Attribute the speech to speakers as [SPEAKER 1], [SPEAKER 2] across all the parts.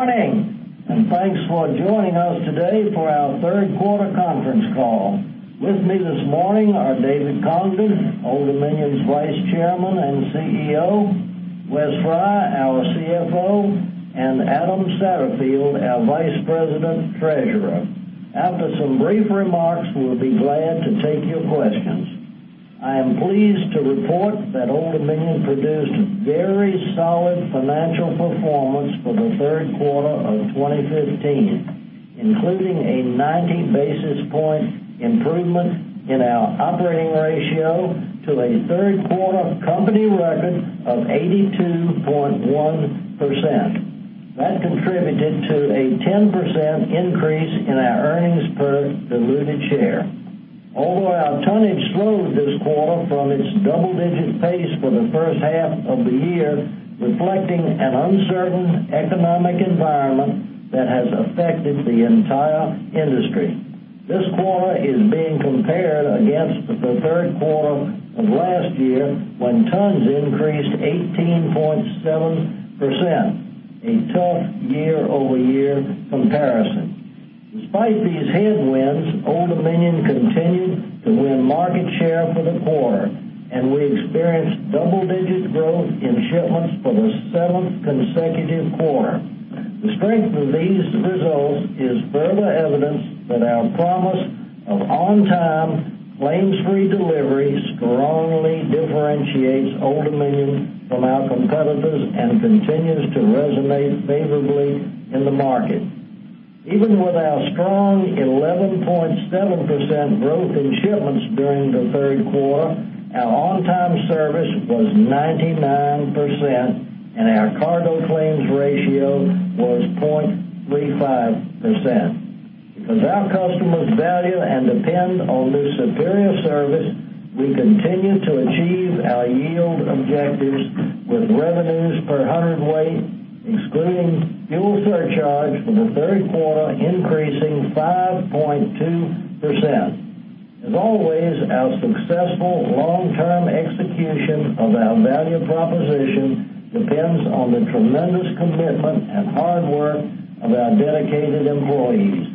[SPEAKER 1] Morning, thanks for joining us today for our third quarter conference call. With me this morning are David Congdon, Old Dominion's Vice Chairman and CEO, Wes Frye, our CFO, and Adam Satterfield, our Vice President Treasurer. After some brief remarks, we will be glad to take your questions. I am pleased to report that Old Dominion produced very solid financial performance for the third quarter of 2015, including a 90 basis point improvement in our operating ratio to a third quarter company record of 82.1%. That contributed to a 10% increase in our earnings per diluted share. Although our tonnage slowed this quarter from its double-digit pace for the first half of the year, reflecting an uncertain economic environment that has affected the entire industry. This quarter is being compared against the third quarter of last year, when tons increased 18.7%, a tough year-over-year comparison. Despite these headwinds, Old Dominion continued to win market share for the quarter. We experienced double-digit growth in shipments for the seventh consecutive quarter. The strength of these results is further evidence that our promise of on-time, claims-free delivery strongly differentiates Old Dominion from our competitors and continues to resonate favorably in the market. Even with our strong 11.7% growth in shipments during the third quarter, our on-time service was 99%, and our cargo claims ratio was 0.35%. Because our customers value and depend on this superior service, we continue to achieve our yield objectives with revenue per hundredweight, excluding fuel surcharge for the third quarter, increasing 5.2%. As always, our successful long-term execution of our value proposition depends on the tremendous commitment and hard work of our dedicated employees.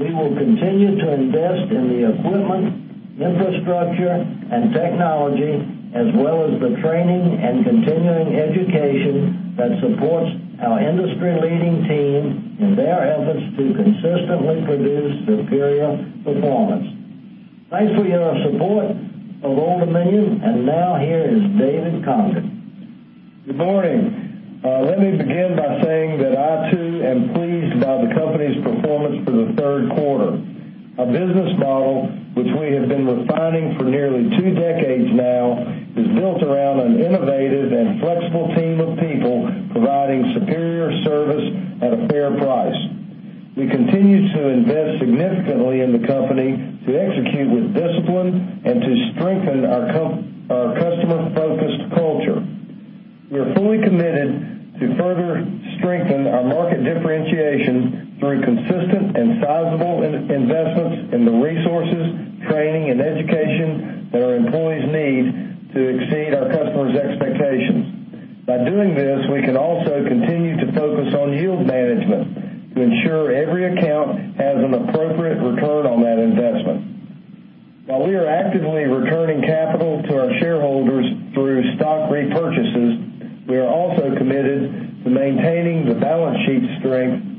[SPEAKER 1] We will continue to invest in the equipment, infrastructure, and technology, as well as the training and continuing education that supports our industry-leading team in their efforts to consistently produce superior performance. Thanks for your support of Old Dominion. Now here is David Congdon.
[SPEAKER 2] Good morning. Let me begin by saying that I too am pleased by the company's performance for the third quarter. Our business model, which we have been refining for nearly two decades now, is built around an innovative and flexible team of people providing superior service at a fair price. We continue to invest significantly in the company to execute with discipline and to strengthen our customer-focused culture. We are fully committed to further strengthen our market differentiation through consistent and sizable investments in the resources, training, and education that our employees need to exceed our customers' expectations. By doing this, we can also continue to focus on yield management to ensure every account has an appropriate return on that investment. While we are actively returning capital to our shareholders through stock repurchases, we are also committed to maintaining the balance sheet strength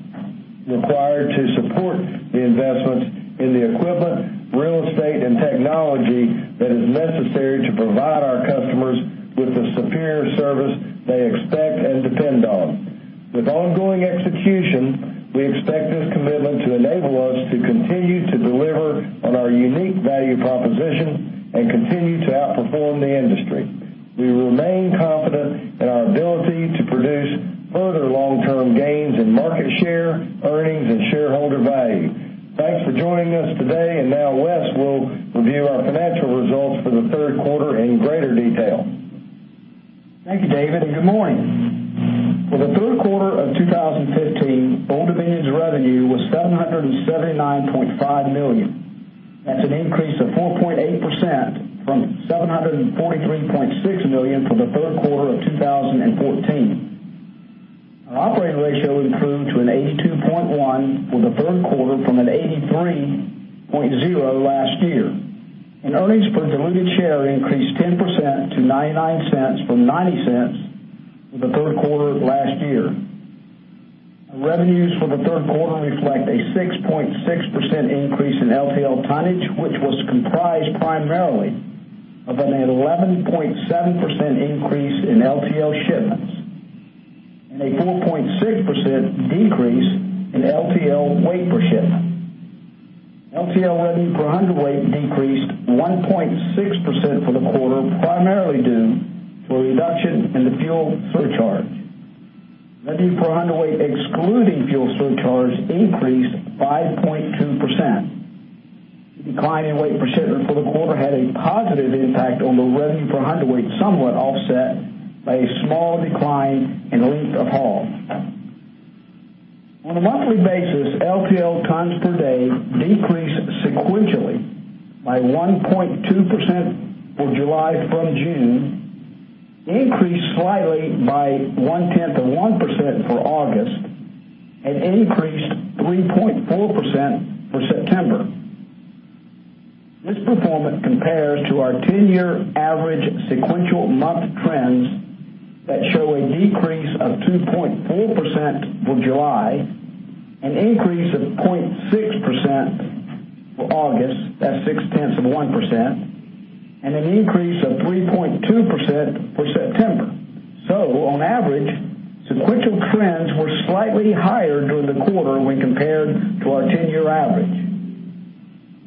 [SPEAKER 2] required to support the investments in the equipment, real estate, and technology that is necessary to provide our customers with the superior service they expect and depend on. With ongoing execution, we expect this commitment to enable us to continue to deliver on our unique value proposition and continue to outperform the industry. We remain confident in our ability to produce further long-term gains in market share, earnings, and shareholder value. Thanks for joining us today. Now Wes will review our financial results for the third quarter in greater detail.
[SPEAKER 3] Thank you, David, and good morning. For the third quarter of 2015, Old Dominion's revenue was $779.5 million. That's an increase of 4.8% from $743.6 million for the third quarter of 2014. Our operating ratio improved to an 82.1 for the third quarter from an 83.0 last year. Earnings per diluted share increased 10% to $0.99 from $0.90 for the third quarter of last year. Our revenues for the third quarter reflect a 6.6% increase in LTL tonnage, which was comprised primarily of an 11.7% increase in LTL shipments and a 4.6% decrease in LTL weight per shipment. LTL revenue per hundredweight decreased 1.6% for the quarter, primarily due to a reduction in the fuel surcharge. Revenue per hundredweight, excluding fuel surcharge, increased 5.2%. The decline in weight per shipment for the quarter had a positive impact on the revenue per hundredweight, somewhat offset by a small decline in length of haul. On a monthly basis, LTL tons per day decreased sequentially by 1.2% for July from June. Increased slightly by one tenth of 1% for August and increased 3.4% for September. This performance compares to our 10-year average sequential month trends that show a decrease of 2.4% for July, an increase of 0.6% for August, that's six tenths of 1%, and an increase of 3.2% for September. On average, sequential trends were slightly higher during the quarter when compared to our 10-year average.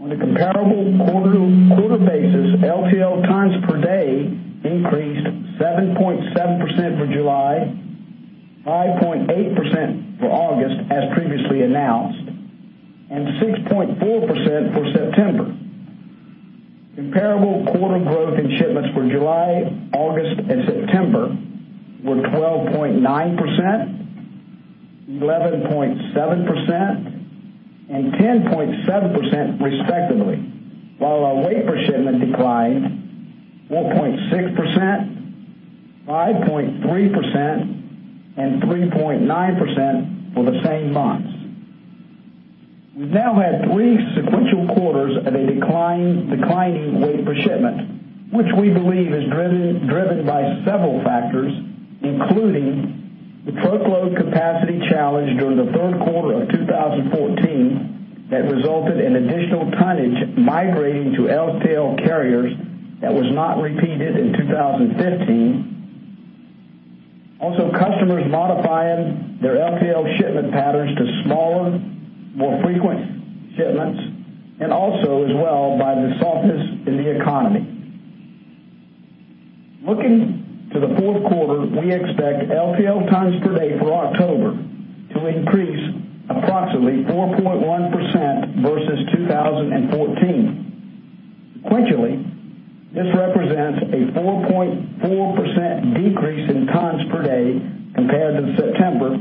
[SPEAKER 3] On a comparable quarter basis, LTL tons per day increased 7.7% for July, 5.8% for August, as previously announced, and 6.4% for September. Comparable quarter growth in shipments for July, August, and September were 12.9%, 11.7%, and 10.7%, respectively. While our weight per shipment declined 4.6%, 5.3%, and 3.9% for the same months. We've now had three sequential quarters of a declining weight per shipment, which we believe is driven by several factors, including the truckload capacity challenge during the third quarter of 2014 that resulted in additional tonnage migrating to LTL carriers that was not repeated in 2015. Also, customers modifying their LTL shipment patterns to smaller, more frequent shipments, and also as well, by the softness in the economy. Looking to the fourth quarter, we expect LTL tons per day for October to increase approximately 4.1% versus 2014. Sequentially, this represents a 4.4% decrease in tons per day compared to September,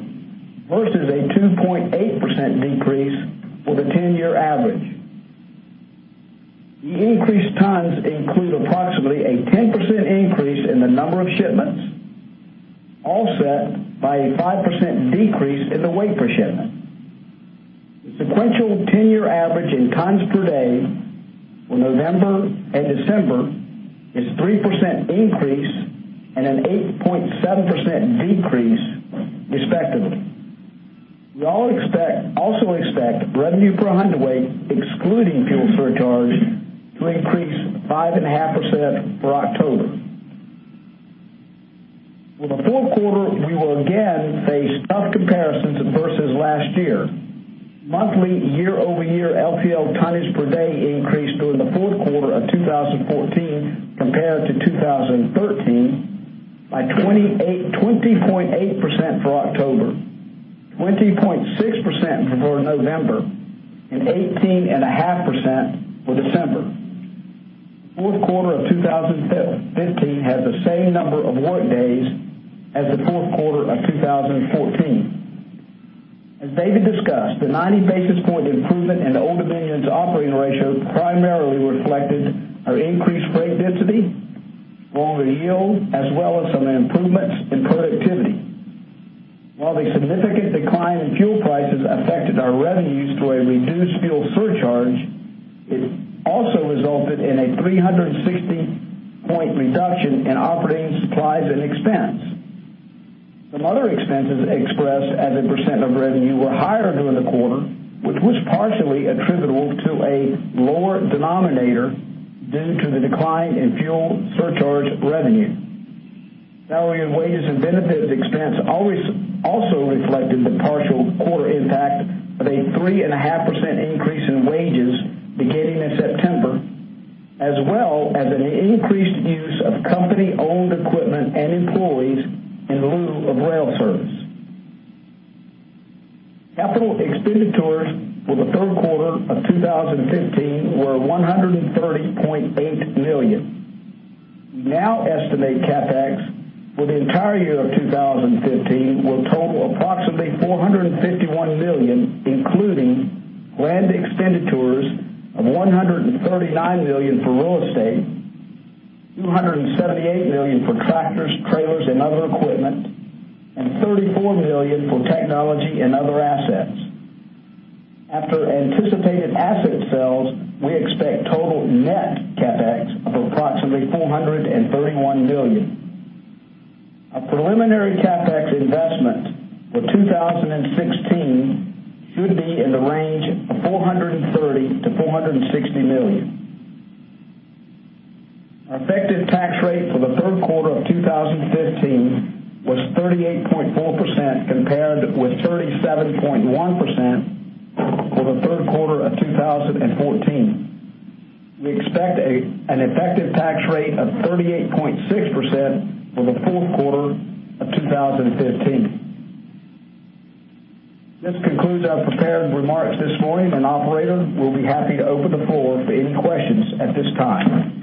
[SPEAKER 3] versus a 2.8% decrease for the 10-year average. The increased tons include approximately a 10% increase in the number of shipments, offset by a 5% decrease in the weight per shipment. The sequential 10-year average in tons per day for November and December is 3% increase and an 8.7% decrease, respectively. We also expect revenue per hundredweight, excluding fuel surcharge, to increase 5.5% for October. For the fourth quarter, we will again face tough comparisons versus last year. Monthly, year-over-year LTL tonnage per day increased during the fourth quarter of 2014 compared to 2013 by 20.8% for October, 20.6% for November, and 18.5% for December. Fourth quarter of 2015 had the same number of work days as the fourth quarter of 2014. As David discussed, the 90 basis point improvement in Old Dominion's operating ratio primarily reflected our increased revenue density, lower yield, as well as some improvements in productivity. While the significant decline in fuel prices affected our revenues through a reduced fuel surcharge, it also resulted in a 360-point reduction in operating supplies and expense. Some other expenses expressed as a percent of revenue were higher during the quarter, which was partially attributable to a lower denominator due to the decline in fuel surcharge revenue. Salary and wages and benefit expense also reflected the partial quarter impact of a 3.5% increase in wages beginning in September, as well as an increased use of company-owned equipment and employees in lieu of rail service. Capital expenditures for the third quarter of 2015 were $130.8 million. We now estimate CapEx for the entire year of 2015 will total approximately $451 million, including land expenditures of $139 million for real estate, $278 million for tractors, trailers, and other equipment, and $34 million for technology and other assets. After anticipated asset sales, we expect total net CapEx of approximately $431 million. Our preliminary CapEx investment for 2016 should be in the range of $430 million-$460 million. Our effective tax rate for the third quarter of 2015 was 38.4%, compared with 37.1% for the third quarter of 2014. We expect an effective tax rate of 38.6% for the fourth quarter of 2015. This concludes our prepared remarks this morning, and operator, we'll be happy to open the floor for any questions at this time.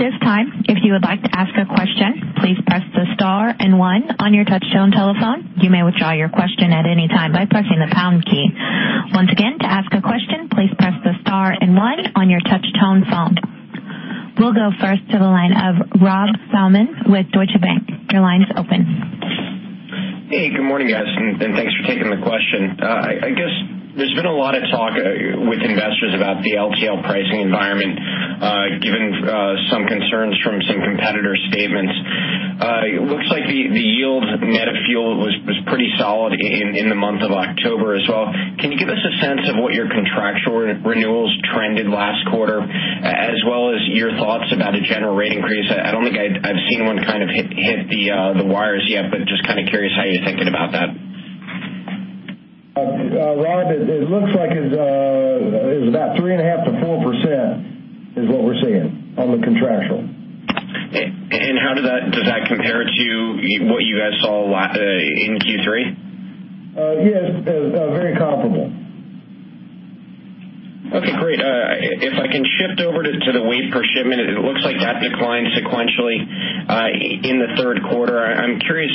[SPEAKER 4] At this time, if you would like to ask a question, please press the star and one on your touchtone telephone. You may withdraw your question at any time by pressing the pound Touch Tone Phone. We'll go first to the line of Rob Salmon with Deutsche Bank. Your line's open.
[SPEAKER 5] Hey, good morning, guys, thanks for taking the question. I guess there's been a lot of talk with investors about the LTL pricing environment, given some concerns from some competitor statements. It looks like the yield net of fuel was pretty solid in the month of October as well. Can you give us a sense of what your contractual renewals trended last quarter, as well as your thoughts about a general rate increase? I don't think I've seen one hit the wires yet, but just curious how you're thinking about that.
[SPEAKER 2] Rob, it looks like it was about 3.5%-4%, is what we're seeing on the contractual.
[SPEAKER 5] How does that compare to what you guys saw in Q3?
[SPEAKER 2] Yes, very comparable.
[SPEAKER 5] Okay, great. If I can shift over to the weight per shipment, it looks like that declined sequentially in the third quarter. I'm curious,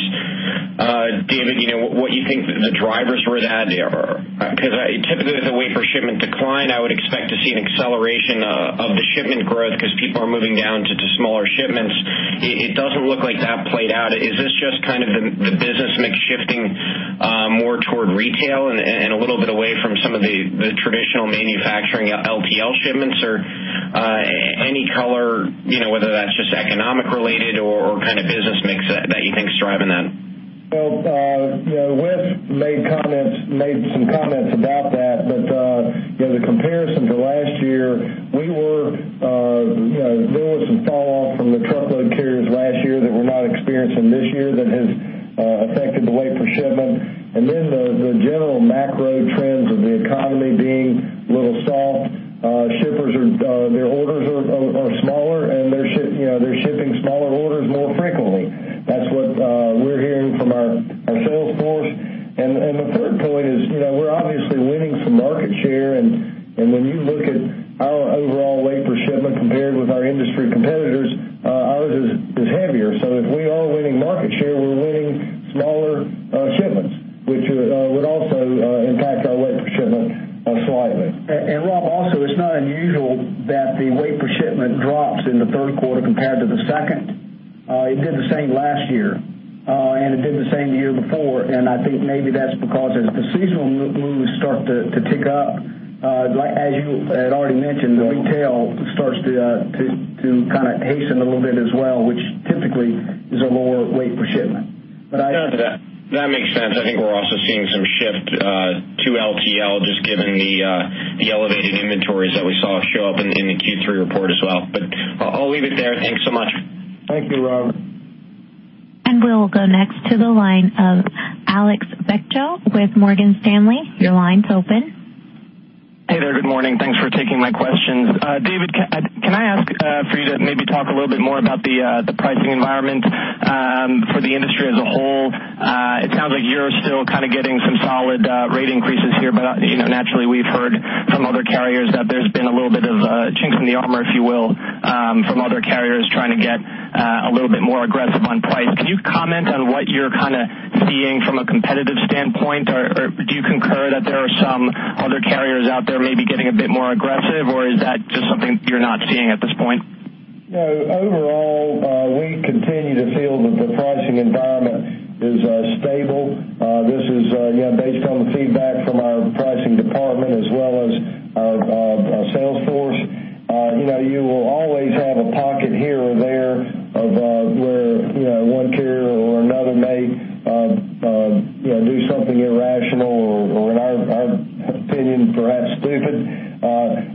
[SPEAKER 5] David, what you think the drivers were that there are, because typically, as the weight per shipment decline, I would expect to see an acceleration of the shipment growth because people are moving down to smaller shipments. It doesn't look like that played out. Is this just the business mix shifting more toward retail and a little bit away from some of the traditional manufacturing LTL shipments? Or any color, whether that's just economic related or business mix that you think is driving that?
[SPEAKER 2] Well, Wes made some comments about that. The comparison to last year, there was some fall off from the truckload carriers last year that we're not experiencing this year that has affected the weight per shipment. The general macro trends of the economy being a little soft. Shippers, their orders are smaller, and they're shipping smaller orders more frequently. That's what we're hearing from our sales force. The third point is, we're obviously winning some market share, and when you look at our overall weight per shipment compared with our industry competitors, ours is heavier. If we are winning market share, we're winning smaller shipments, which would also impact our weight per shipment slightly.
[SPEAKER 3] Rob, also, it's not unusual that the weight per shipment drops in the third quarter compared to the second. It did the same last year, and it did the same the year before, and I think maybe that's because as the seasonal moves start to tick up, as you had already mentioned, the retail starts to hasten a little bit as well, which typically is a lower weight per shipment.
[SPEAKER 5] That makes sense. I think we're also seeing some shift to LTL, just given the elevated inventories that we saw show up in the Q3 report as well. I'll leave it there. Thanks so much.
[SPEAKER 2] Thank you, Rob.
[SPEAKER 4] We will go next to the line of Alex Bechtel with Morgan Stanley. Your line's open.
[SPEAKER 6] Hey there, good morning. Thanks for taking my questions. David, can I ask for you to maybe talk a little bit more about the pricing environment for the industry as a whole? It sounds like you're still getting some solid rate increases here, but naturally, we've heard from other carriers that there's been a little bit of chink in the armor, if you will, from other carriers trying to get a little bit more aggressive on price. Can you comment on what you're seeing from a competitive standpoint? Do you concur that there are some other carriers out there maybe getting a bit more aggressive, or is that just something you're not seeing at this point?
[SPEAKER 2] Overall, we continue to feel that the pricing environment is stable. This is based on the feedback from our pricing department as well as our sales force. You will always have a pocket here or there of where one carrier or another may do something irrational or in our opinion, perhaps stupid,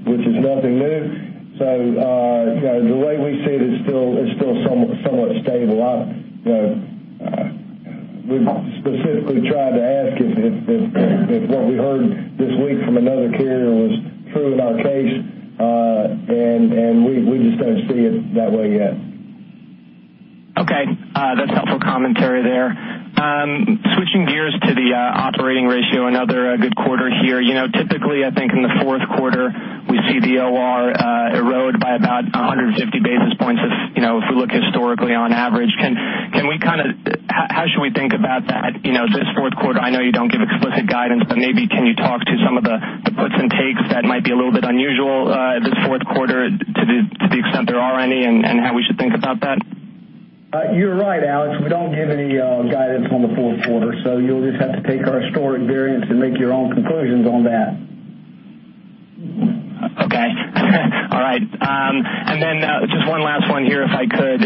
[SPEAKER 2] which is nothing new. The way we see it's still somewhat stable. We specifically tried to ask if what we heard this week from another carrier was true in our case, and we just don't see it that way yet.
[SPEAKER 6] Okay. That's helpful commentary there. Switching gears to the operating ratio, another good quarter here. Typically, I think in the fourth quarter, we see the OR erode by about 150 basis points if we look historically on average. How should we think about that this fourth quarter? I know you don't give explicit guidance, but maybe can you talk to some of the puts and takes that might be a little bit unusual this fourth quarter to the extent there are any, and how we should think about that?
[SPEAKER 3] You're right, Alex, we don't give any guidance on the fourth quarter. You'll just have to take our historic variance and make your own conclusions on that.
[SPEAKER 6] Okay. All right. Then just one last one here, if I could.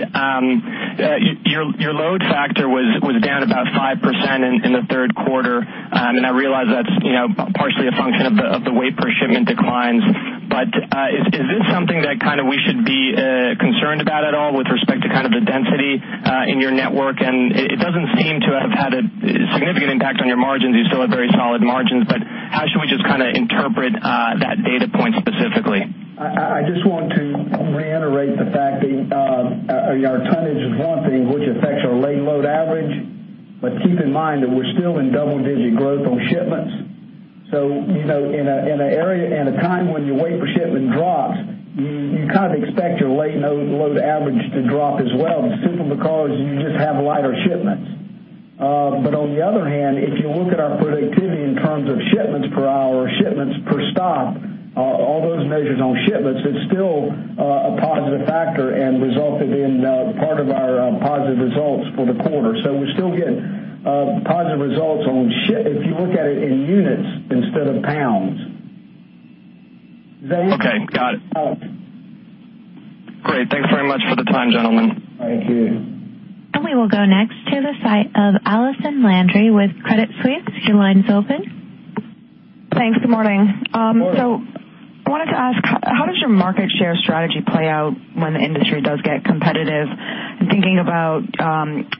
[SPEAKER 6] Your load factor was down about 5% in the third quarter. I realize that's partially a function of the weight per shipment declines. Is this something that we should be concerned about at all with respect to the density in your network? It doesn't seem to have had a significant impact on your margins. You still have very solid margins, how should we just interpret that data point specifically?
[SPEAKER 3] I just want to reiterate the fact that our tonnage is one thing which affects our line load average. Keep in mind that we're still in double-digit growth on shipments. In a time when your weight per shipment drops, you expect your line load average to drop as well, simply because you just have lighter shipments. On the other hand, if you look at our productivity in terms of shipments per hour, shipments per stop, all those measures on shipments, it's still a positive factor and resulted in part of our positive results for the quarter. We still get positive results if you look at it in units instead of pounds.
[SPEAKER 6] Okay. Got it. Great. Thanks very much for the time, gentlemen.
[SPEAKER 3] Thank you.
[SPEAKER 4] We will go next to the line of Allison Landry with Credit Suisse. Your line's open.
[SPEAKER 7] Thanks. Good morning.
[SPEAKER 3] Good morning.
[SPEAKER 7] I wanted to ask, how does your market share strategy play out when the industry does get competitive? I'm thinking about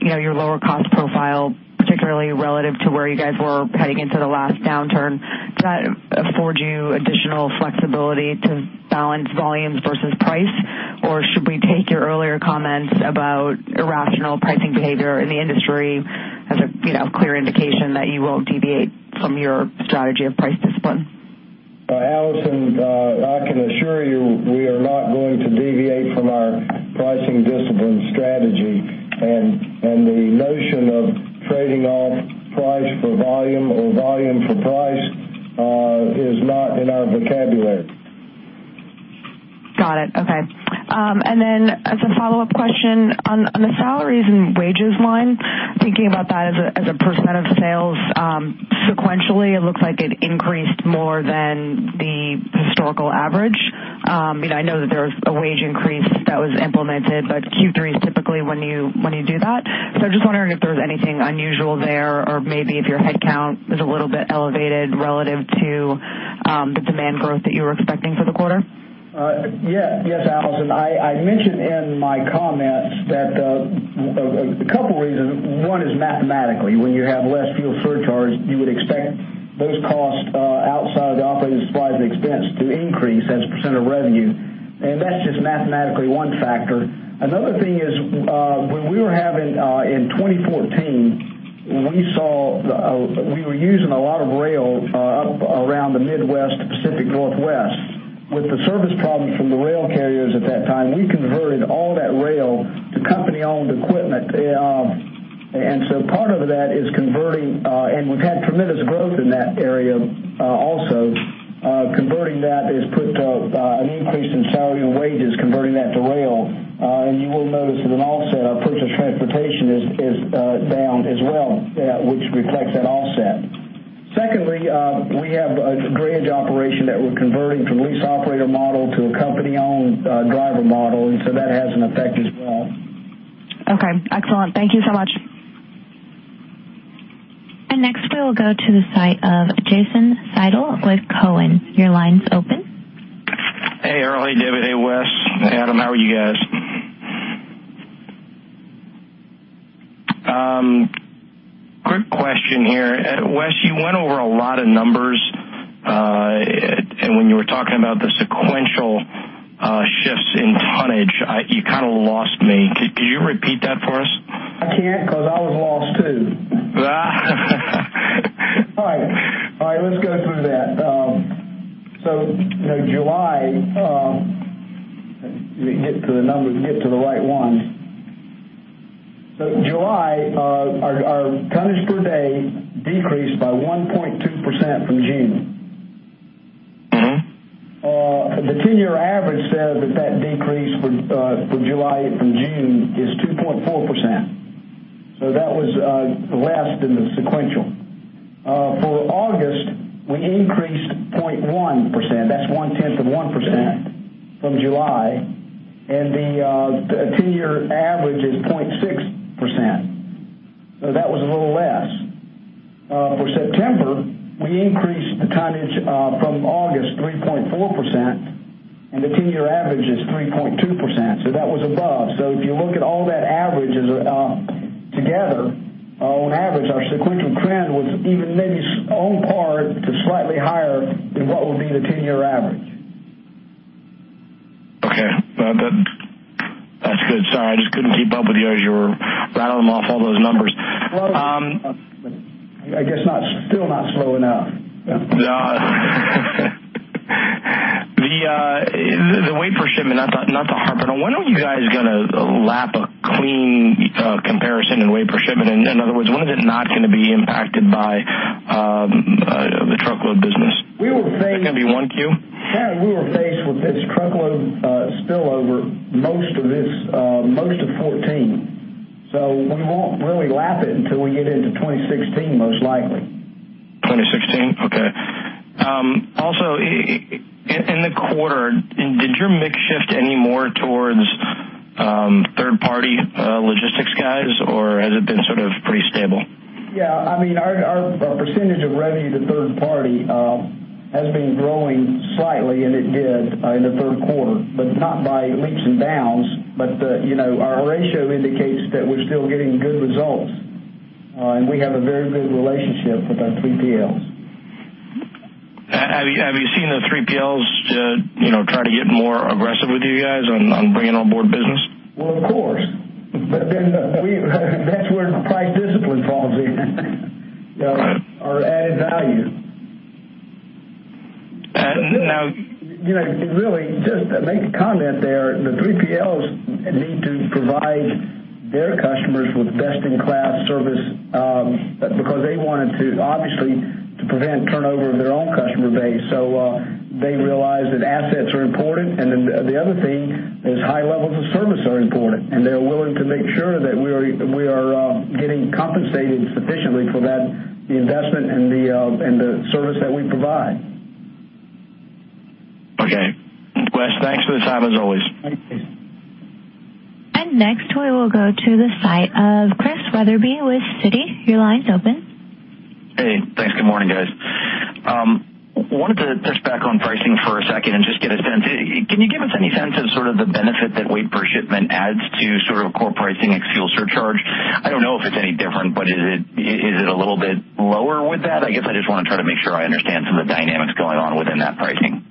[SPEAKER 7] your lower cost profile, particularly relative to where you guys were heading into the last downturn. Does that afford you additional flexibility to balance volumes versus price? Or should we take your earlier comments about irrational pricing behavior in the industry as a clear indication that you won't deviate from your strategy of price discipline?
[SPEAKER 3] Allison, I can assure you, we are not going to deviate from our pricing discipline strategy. The notion of trading off price for volume or volume for price is not in our vocabulary.
[SPEAKER 7] Got it. Okay. As a follow-up question on the salaries and wages line, thinking about that as a % of sales sequentially, it looks like it increased more than the historical average. I know that there was a wage increase that was implemented, but Q3 is typically when you do that. I'm just wondering if there's anything unusual there or maybe if your headcount is a little bit elevated relative to the demand growth that you were expecting for the quarter.
[SPEAKER 3] Yes, Allison. I mentioned in my comments that a couple of reasons. One is mathematically. When you have less fuel surcharges, you would expect those costs outside of the operating supplies and expense to increase as a % of revenue. That's just mathematically one factor. Another thing is in 2014, we were using a lot of rail up around the Midwest, Pacific Northwest. With the service problems from the rail carriers at that time, we converted all that rail to company-owned equipment. Part of that is converting. We've had tremendous growth in that area also. Converting that has put an increase in salary and wages, converting that to rail. You will notice as an offset, our purchase transportation is down as well, which reflects that offset. Secondly, we have a drayage operation that we're converting from lease operator model to a company-owned driver model. That has an effect as well.
[SPEAKER 7] Okay. Excellent. Thank you so much.
[SPEAKER 4] Next, we will go to the side of Jason Seidl with Cowen. Your line's open.
[SPEAKER 8] Hey, Earl. David. Hey, Wes. Adam. How are you guys? Quick question here. Wes, you went over a lot of numbers, and when you were talking about the sequential shifts in tonnage, you kind of lost me. Could you repeat that for us?
[SPEAKER 3] I can't because I was lost, too. All right. Let's go through that. July Let me get to the numbers, get to the right ones. July, our tonnage per day decreased by 1.2% from June. The 10 year average says that that decrease for July from June is 2.4%. That was less than the sequential. For August, we increased 0.1%. That's one tenth of 1% from July, and the 10 year average is 0.6%. That was a little less. For September, we increased the tonnage from August 3.4%, and the 10 year average is 3.2%, that was above. If you look at all that averages together, on average, our sequential trend was even maybe on par to slightly higher than what would be the 10 year average.
[SPEAKER 8] Okay. That's good. Sorry, I just couldn't keep up with you as you were rattling off all those numbers.
[SPEAKER 3] I guess still not slow enough.
[SPEAKER 8] No. The weight per shipment, not to harp it, when are you guys going to lap a clean comparison in weight per shipment? In other words, when is it not going to be impacted by the truckload business?
[SPEAKER 3] We were faced.
[SPEAKER 8] Is it going to be 1 Q?
[SPEAKER 3] Yeah. We were faced with this truckload spillover most of 2014. We won't really lap it until we get into 2016, most likely.
[SPEAKER 8] 2016? Okay. Also, in the quarter, did your mix shift any more towards third-party logistics guys, or has it been sort of pretty stable?
[SPEAKER 3] Yeah. Our percentage of revenue to third-party has been growing slightly, and it did in the third quarter, but not by leaps and bounds. Our ratio indicates that we're still getting good results. We have a very good relationship with our 3PLs.
[SPEAKER 8] Have you seen the 3PLs try to get more aggressive with you guys on bringing on board business?
[SPEAKER 3] Well, of course. That's where the price discipline falls in.
[SPEAKER 8] Right.
[SPEAKER 3] Our added value. Really, just to make a comment there, the 3PLs need to provide their customers with best-in-class service because they wanted to obviously prevent turnover of their own customer base. They realize that assets are important. The other thing is high levels of service are important, and they're willing to make sure that we are getting compensated sufficiently for the investment and the service that we provide.
[SPEAKER 8] Okay. Wes, thanks for the time, as always.
[SPEAKER 3] Thank you.
[SPEAKER 4] Next, we will go to the line of Chris Wetherbee with Citi. Your line's open.
[SPEAKER 9] Hey, thanks. Good morning, guys. Wanted to push back on pricing for a second and just get a sense. Can you give us any sense of sort of the benefit that weight per shipment adds to sort of core pricing ex fuel surcharge? I don't know if it's any different, but is it a little bit lower with that? I guess I just want to try to make sure I understand some of the dynamics going on within that pricing.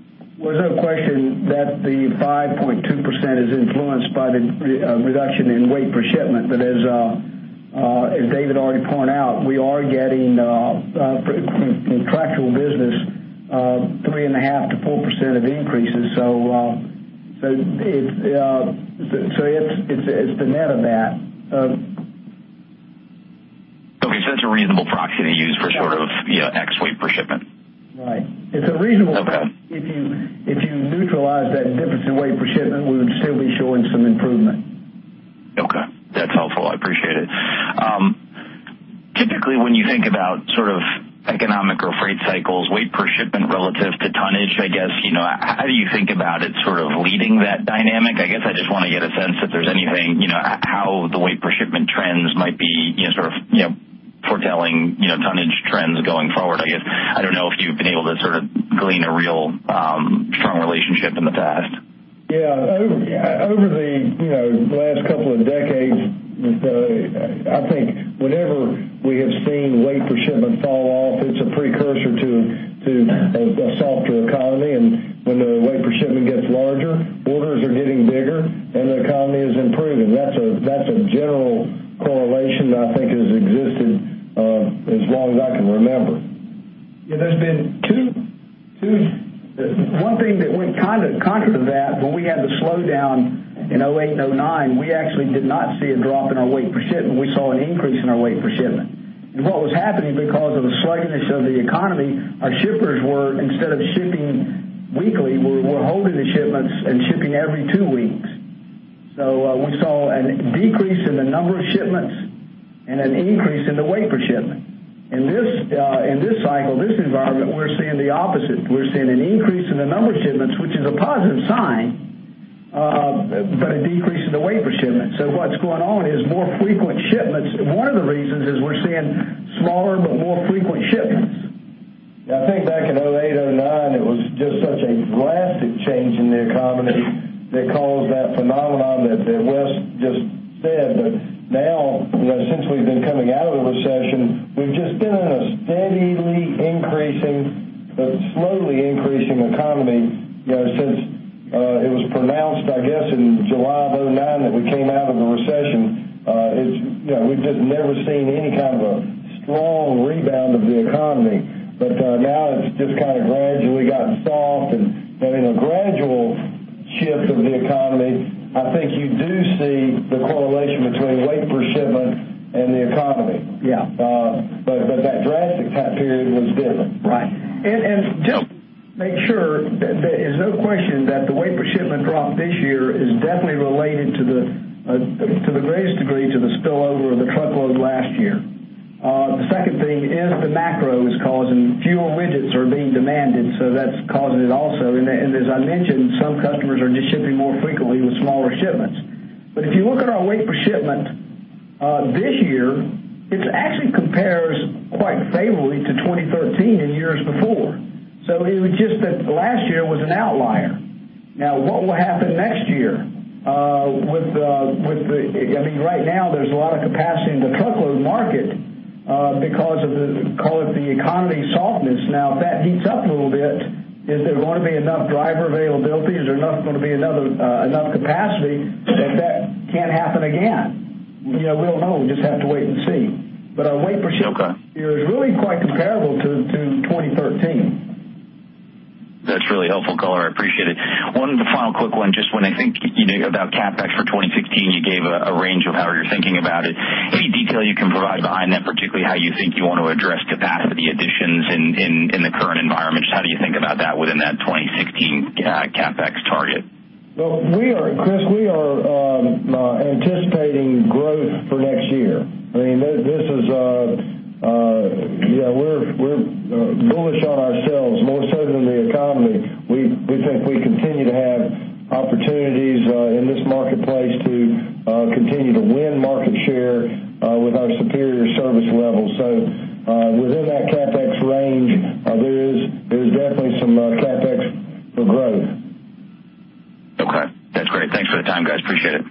[SPEAKER 3] There's no question that the 5.2% is influenced by the reduction in weight per shipment. As David already pointed out, we are getting contractual business, 3.5%-4% of increases. It's the net of that.
[SPEAKER 9] Okay. That's a reasonable proxy to use for sort of ex Weight per Shipment.
[SPEAKER 3] Right. It's a reasonable-
[SPEAKER 9] Okay
[SPEAKER 3] proxy. If you neutralize that difference in Weight per Shipment, we would still be showing some improvement.
[SPEAKER 9] Okay. That's helpful. I appreciate it. Typically, when you think about sort of economic or freight cycles, Weight per Shipment relative to tonnage, I guess, how do you think about it sort of leading that dynamic? I guess I just want to get a sense if there's anything, how the Weight per Shipment trends might be sort of foretelling tonnage trends going forward, I guess. I don't know if you've been able to sort of glean a real strong relationship in the past.
[SPEAKER 2] Yeah. Over the last couple of decades, I think whenever we have seen weight per shipment fall off, it's a precursor to a softer economy. When the weight per shipment gets larger, orders are getting bigger and the economy is improving. That's a general correlation that I think has existed as long as I can remember.
[SPEAKER 3] There's been one thing that went kind of contrary to that, when we had the slowdown in 2008 and 2009, we actually did not see a drop in our weight per shipment. We saw an increase in our weight per shipment. What was happening, because of the sluggishness of the economy, our shippers were, instead of shipping weekly, were holding the shipments and shipping every two weeks. We saw a decrease in the number of shipments and an increase in the weight per shipment. In this cycle, this environment, we're seeing the opposite. We're seeing an increase in the number of shipments, which is a positive sign, but a decrease in the weight per shipment. What's going on is more frequent shipments. One of the reasons is we're seeing smaller but more frequent shipments.
[SPEAKER 2] I think back in 2008, 2009, it was just such a drastic change in the economy that caused that phenomenon that Wes just said. Now, since we've been coming out of the recession, we've just been in a steadily increasing, but slowly increasing economy since it was pronounced, I guess, in July of 2009 that we came out of the recession. We've just never seen any kind of a strong rebound of the economy. Now it's just kind of gradually gotten soft and in a gradual shift of the economy. I think you do see the correlation between weight per shipment and the economy.
[SPEAKER 3] Yeah.
[SPEAKER 2] That drastic time period was different.
[SPEAKER 3] Right. Just to make sure, there is no question that the weight per shipment drop this year is definitely related to the greatest degree to the spillover of the truckload last year. The second thing is the macro is causing fuel widgets are being demanded, so that's causing it also. As I mentioned, some customers are just shipping more frequently with smaller shipments. If you look at our weight per shipment, this year, it actually compares quite favorably to 2013 and years before. It was just that last year was an outlier. What will happen next year? Right now, there's a lot of capacity in the truckload market because of the, call it, the economy softness. If that heats up a little bit, is there going to be enough driver availability? Is there going to be enough capacity that that can't happen again? We don't know. We just have to wait and see. Our weight per shipment-
[SPEAKER 9] Okay
[SPEAKER 3] Our weight per shipment is really quite comparable to 2013.
[SPEAKER 9] That's really helpful, color. I appreciate it. One final quick one. Just when I think about CapEx for 2016, you gave a range of how you're thinking about it. Any detail you can provide behind that, particularly how you think you want to address capacity additions in the current environment? Just how do you think about that within that 2016 CapEx target?
[SPEAKER 2] Well, Chris, we are anticipating growth for next year. We're bullish on ourselves more so than the economy. We think we continue to have opportunities in this marketplace to continue to win market share with our superior service levels. Within that CapEx range, there is definitely some CapEx for growth.
[SPEAKER 9] Okay. That's great. Thanks for the time, guys. Appreciate it.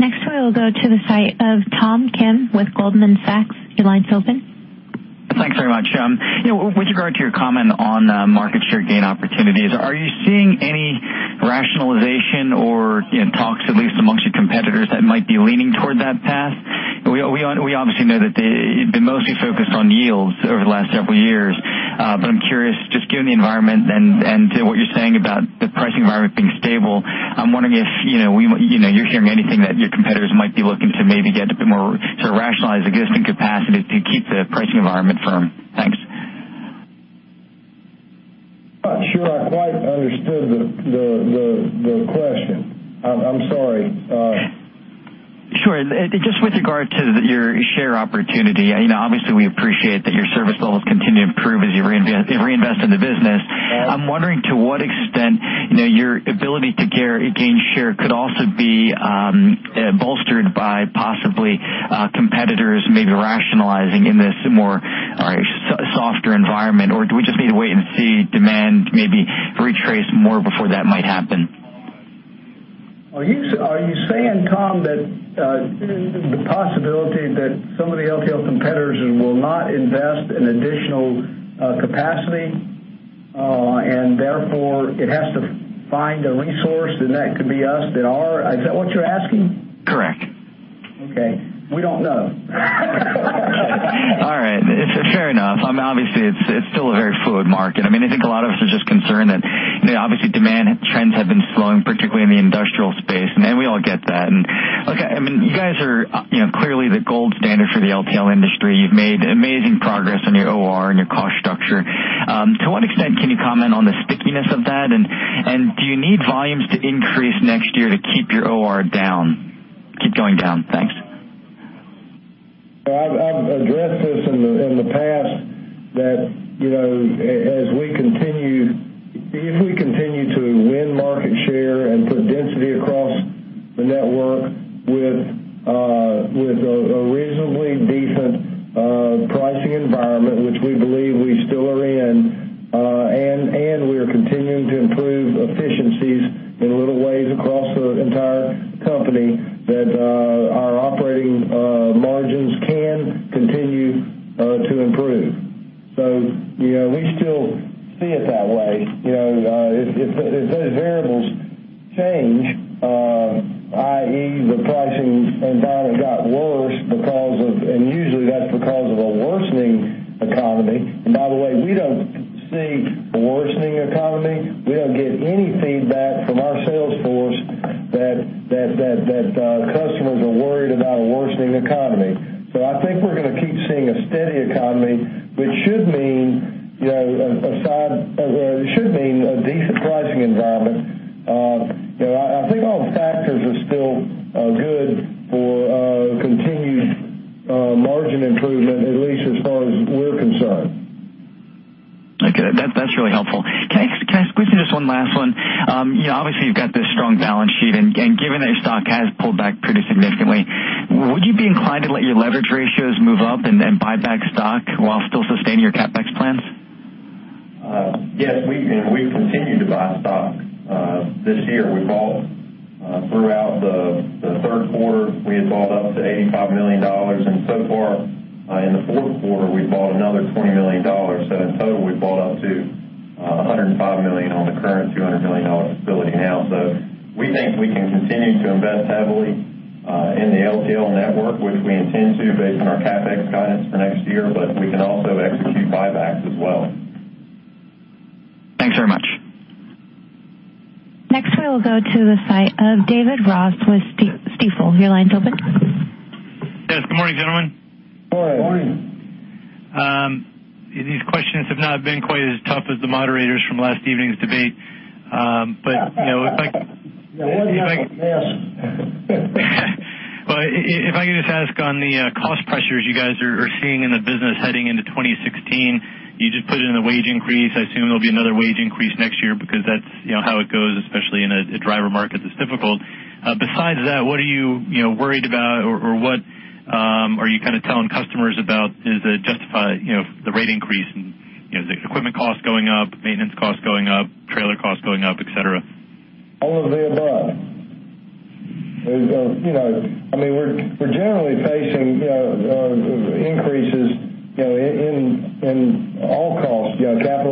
[SPEAKER 4] Next, we will go to the site of Tom Kim with Goldman Sachs. Your line's open.
[SPEAKER 10] Thanks very much. With regard to your comment on market share gain opportunities, are you seeing any rationalization or talks, at least amongst your competitors, that might be leaning toward that path? We obviously know that they've been mostly focused on yields over the last several years. I'm curious, just given the environment and to what you're saying about the pricing environment being stable, I'm wondering if you're hearing anything that your competitors might be looking to maybe get a bit more to rationalize existing capacity to keep the pricing environment firm. Thanks.
[SPEAKER 2] Not sure I quite understood the question. I'm sorry.
[SPEAKER 10] Sure. Just with regard to your share opportunity, obviously we appreciate that your service levels continue to improve as you reinvest in the business.
[SPEAKER 2] Yes.
[SPEAKER 10] I'm wondering to what extent your ability to gain share could also be bolstered by possibly competitors maybe rationalizing in this more softer environment, or do we just need to wait and see demand maybe retrace more before that might happen?
[SPEAKER 2] Are you saying, Tom, that the possibility that some of the LTL competitors will not invest in additional capacity, and therefore it has to find a resource, and that could be us, that are? Is that what you're asking?
[SPEAKER 10] Correct.
[SPEAKER 2] Okay. We don't know.
[SPEAKER 10] All right. Fair enough. Obviously, it's still a very fluid market. I think a lot of us are just concerned that, obviously demand trends have been slowing, particularly in the industrial space, and we all get that. Look, you guys are clearly the gold standard for the LTL industry. You've made amazing progress on your OR and your cost structure. To what extent can you comment on the stickiness of that, and do you need volumes to increase next year to keep your OR down, keep going down? Thanks.
[SPEAKER 2] I've addressed this in the past that if we continue to win market share and put density across the network with a reasonably decent pricing environment, which we believe we still are in, and we are continuing to improve efficiencies in little ways across the entire company, that our operating margins can continue to improve. We still see it that way. If those variables change, i.e., the pricing environment got worse, usually that's because of a worsening economy. By the way, we don't see a worsening economy. We don't get any feedback from our sales force that customers are worried about a worsening economy. I think we're going to keep seeing a steady economy, which should mean a decent pricing environment. I think all the factors are still good for continued margin improvement, at least as far as we're concerned.
[SPEAKER 10] Okay. That's really helpful. Can I squeeze in just one last one? Obviously, you've got this strong balance sheet, given that your stock has pulled back pretty significantly, would you be inclined to let your leverage ratios move up and buy back stock while still sustaining your CapEx plans?
[SPEAKER 11] Yes, we've continued to buy stock. This year, throughout the third quarter, we had bought up to $85 million, and so far in the fourth quarter, we've bought another $20 million. In total, we've bought up to $105 million on the current $200 million facility now. We think we can continue to invest heavily in the LTL network, which we intend to based on our CapEx guidance for next year, but we can also execute buybacks as well.
[SPEAKER 10] Thanks very much.
[SPEAKER 4] Next, we will go to the side of David Ross with Stifel. Your line's open.
[SPEAKER 12] Yes. Good morning, gentlemen.
[SPEAKER 2] Morning.
[SPEAKER 11] Morning.
[SPEAKER 12] These questions have not been quite as tough as the moderators from last evening's debate.
[SPEAKER 2] One of you will be next.
[SPEAKER 12] If I could just ask on the cost pressures you guys are seeing in the business heading into 2016. You just put in a wage increase. I assume there'll be another wage increase next year because that's how it goes, especially in a driver market that's difficult. Besides that, what are you worried about or what are you telling customers about that justify the rate increase? Is it equipment costs going up, maintenance costs going up, trailer costs going up, et cetera?
[SPEAKER 2] All of the above. We're generally facing increases in all costs. Capital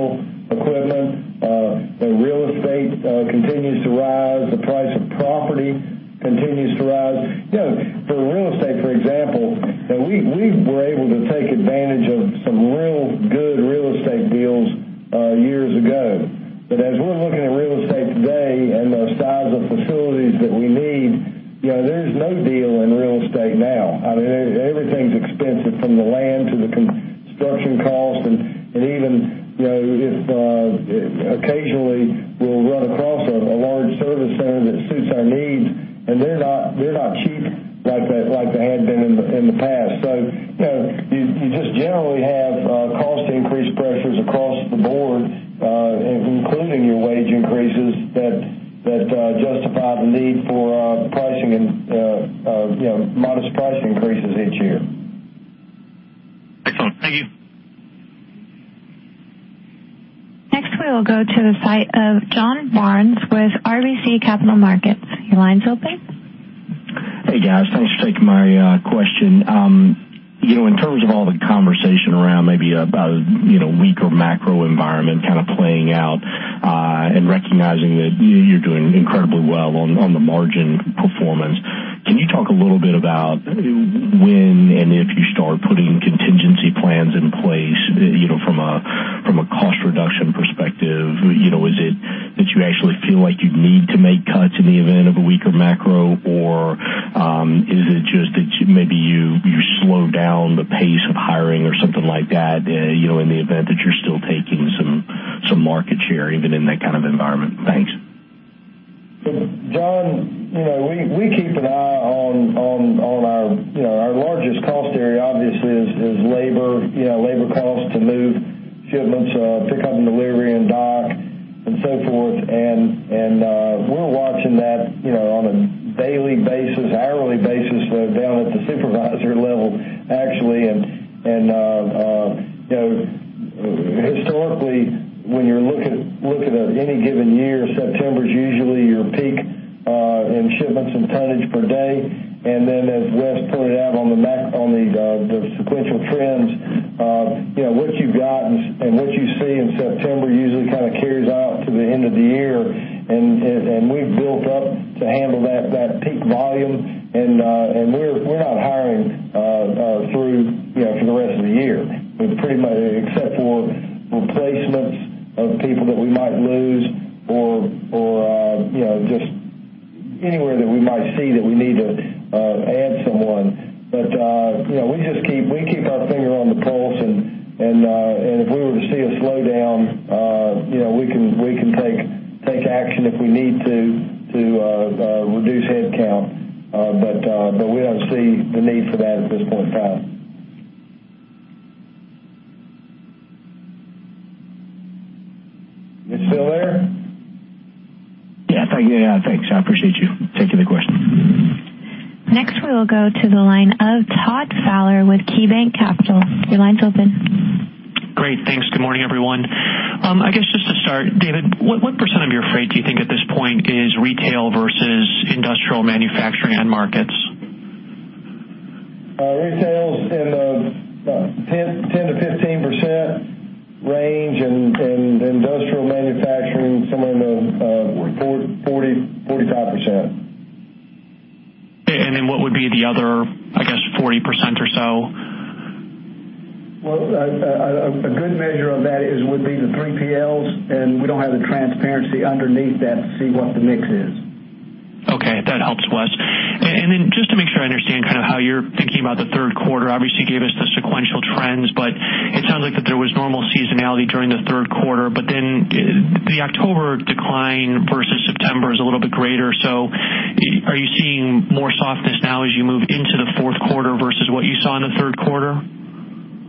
[SPEAKER 13] quarter, obviously you gave us the sequential trends, it sounds like that there was normal seasonality during the third quarter, the October decline versus September is a little bit greater. Are you seeing more softness now as you move into the fourth quarter versus what you saw in the third quarter?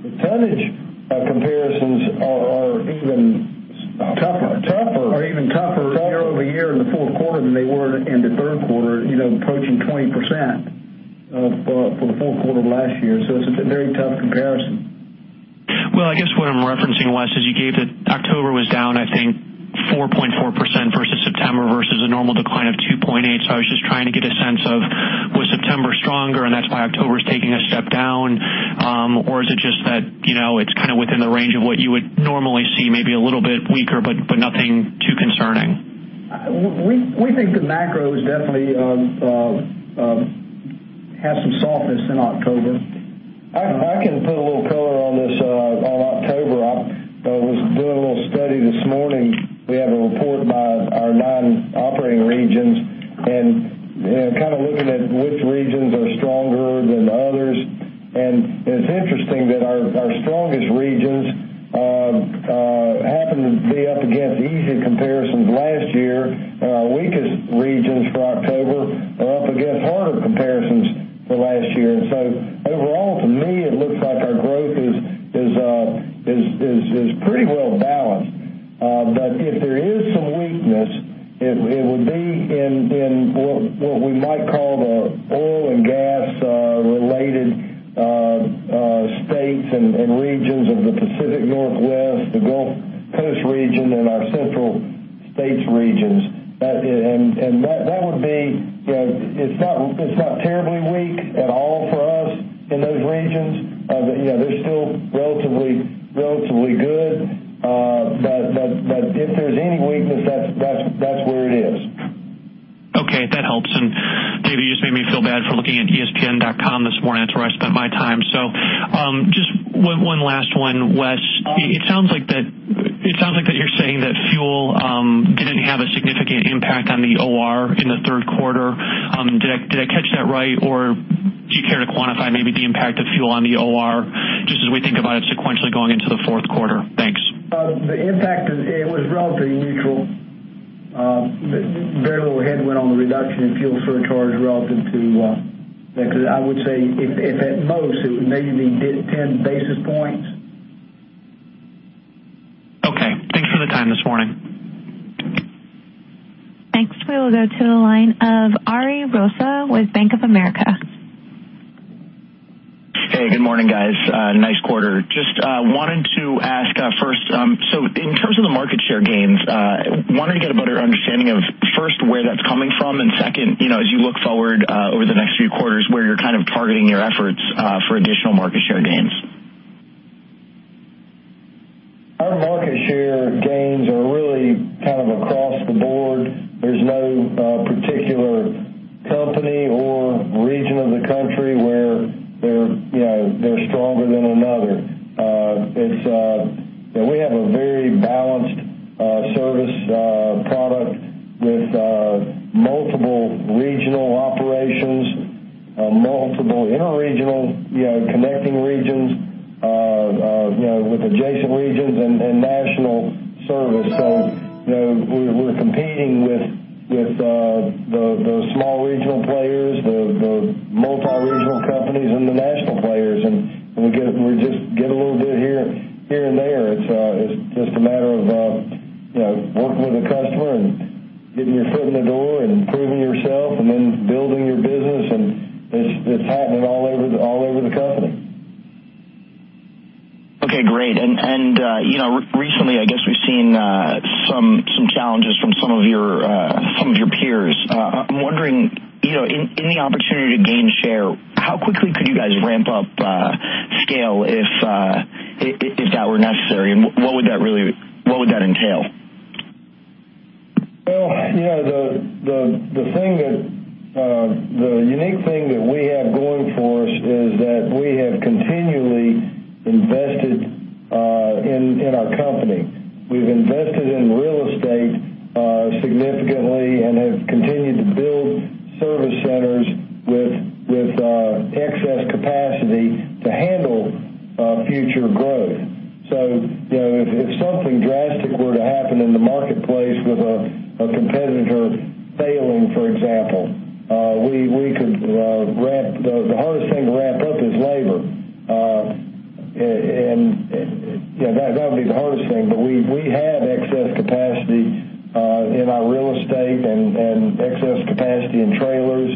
[SPEAKER 2] The tonnage comparisons are even
[SPEAKER 3] Tougher
[SPEAKER 2] tougher.
[SPEAKER 3] Are even tougher year-over-year in the fourth quarter than they were in the third quarter, approaching 20% for the fourth quarter of last year. It's a very tough comparison.
[SPEAKER 13] I guess what I'm referencing, Wes, is you gave that October was down, I think 4.4% versus September versus a normal decline of 2.8%. I was just trying to get a sense of was September stronger, and that's why October's taking a step down? Is it just that it's kind of within the range of what you would normally see, maybe a little bit weaker, but nothing too concerning?
[SPEAKER 3] We think the macro is definitely has some softness in October.
[SPEAKER 2] I can put a little color on this. October, I was doing a little study this morning. We have a report by our nine operating regions and kind of looking at which regions are stronger than others. It's interesting that our strongest regions happen to be up against easy comparisons last year. Our weakest regions for October are up against harder comparisons for last year. Overall, to me, it looks like our growth is pretty well balanced. If there is some weakness, it would be in what we might call the oil and gas related states and regions of the Pacific Northwest, the Gulf Coast region, and our central states regions. It's not terribly weak at all for us in those regions. They're still relatively good. If there's any weakness, that's where it is.
[SPEAKER 13] Okay, that helps. David, you just made me feel bad for looking at ESPN.com this morning. That's where I spent my time. Just one last one, Wes. It sounds like that you're saying that fuel didn't have a significant impact on the OR in the third quarter. Did I catch that right? Do you care to quantify maybe the impact of fuel on the OR just as we think about it sequentially going into the fourth quarter? Thanks.
[SPEAKER 3] The impact, it was relatively neutral. Very little headwind on the reduction in fuel surcharge. I would say if at most, it would maybe be 10 basis points.
[SPEAKER 13] Okay. Thanks for the time this morning.
[SPEAKER 4] Next, we will go to the line of Ari Rosa with Bank of America.
[SPEAKER 14] Hey, good morning, guys. Nice quarter. Just wanted to ask first, so in terms of the market share gains, wanted to get a better understanding of, first, where that's coming from, and second, as you look forward over the next few quarters, where you're targeting your efforts for additional market share gains?
[SPEAKER 2] Our market share gains are really kind of across the board. There's no particular company or region of the country where they're stronger than another. We have a very balanced service product with multiple regional operations, multiple interregional, connecting regions with adjacent regions and national service. We're competing with the small regional players, the multi-regional companies, and the national players, and we just get a little bit here and there. It's just a matter of working with a customer and getting your foot in the door and proving yourself and then building your business, and it's happening all over the company.
[SPEAKER 14] Okay, great. Recently, I guess we've seen some challenges from some of your peers. I'm wondering, in the opportunity to gain share, how quickly could you guys ramp up scale if that were necessary. What would that entail?
[SPEAKER 2] Well, the unique thing that we have going for us is that we have continually invested in our company. We've invested in real estate significantly and have continued to build service centers with excess capacity to handle future growth. If something drastic were to happen in the marketplace with a competitor failing, for example, the hardest thing to ramp up is labor. That would be the hardest thing, but we have excess capacity in our real estate and excess capacity in trailers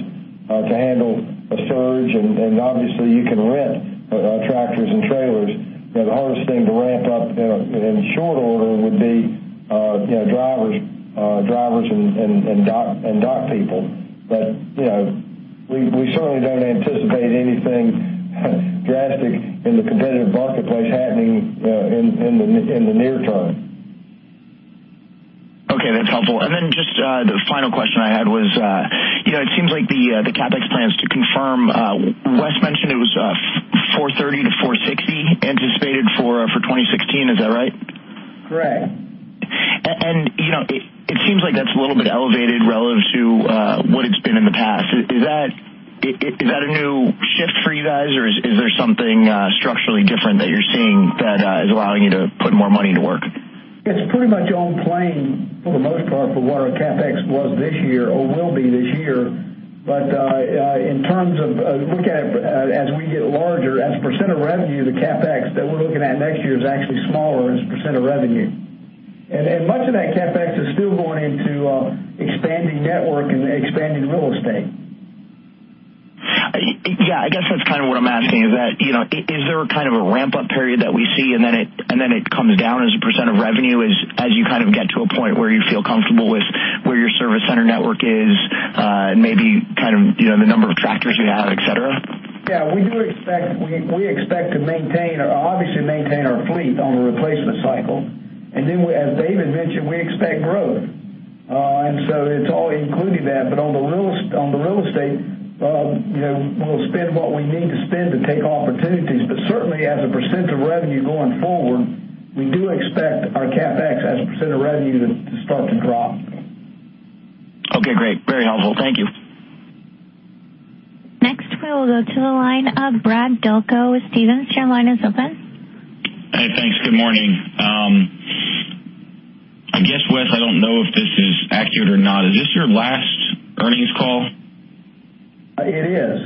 [SPEAKER 2] to handle a surge. Obviously, you can rent tractors and trailers. The hardest thing to ramp up in short order would be drivers and dock people. We certainly don't anticipate anything drastic in the competitive marketplace happening in the near term.
[SPEAKER 14] Okay, that's helpful. Then just the final question I had was, it seems like the CapEx plans to confirm, Wes mentioned it was $430-$460 anticipated for 2016. Is that right?
[SPEAKER 2] Correct.
[SPEAKER 14] It seems like that's a little bit elevated relative to what it's been in the past. Is that a new shift for you guys or is there something structurally different that you're seeing that is allowing you to put more money to work?
[SPEAKER 2] It's pretty much on plan for the most part for what our CapEx was this year or will be this year. In terms of looking at as we get larger, as a percent of revenue, the CapEx that we're looking at next year is actually smaller as a percent of revenue. Much of that CapEx is still going into expanding network and expanding real estate.
[SPEAKER 14] Yeah, I guess that's what I'm asking is that, is there a kind of a ramp-up period that we see and then it comes down as a percent of revenue as you get to a point where you feel comfortable with where your service center network is, maybe the number of tractors you have, et cetera?
[SPEAKER 3] Yeah, we expect to obviously maintain our fleet on the replacement cycle. As David mentioned, we expect growth. So it's all included that, on the real estate, we'll spend what we need to spend to take opportunities. Certainly as a percent of revenue going forward, we do expect our CapEx as a percent of revenue to start to drop.
[SPEAKER 14] Okay, great. Very helpful. Thank you.
[SPEAKER 4] We will go to the line of Brad Delco with Stephens. Your line is open.
[SPEAKER 15] Hey, thanks. Good morning. I guess, Wes, I don't know if this is accurate or not. Is this your last earnings call?
[SPEAKER 3] It is.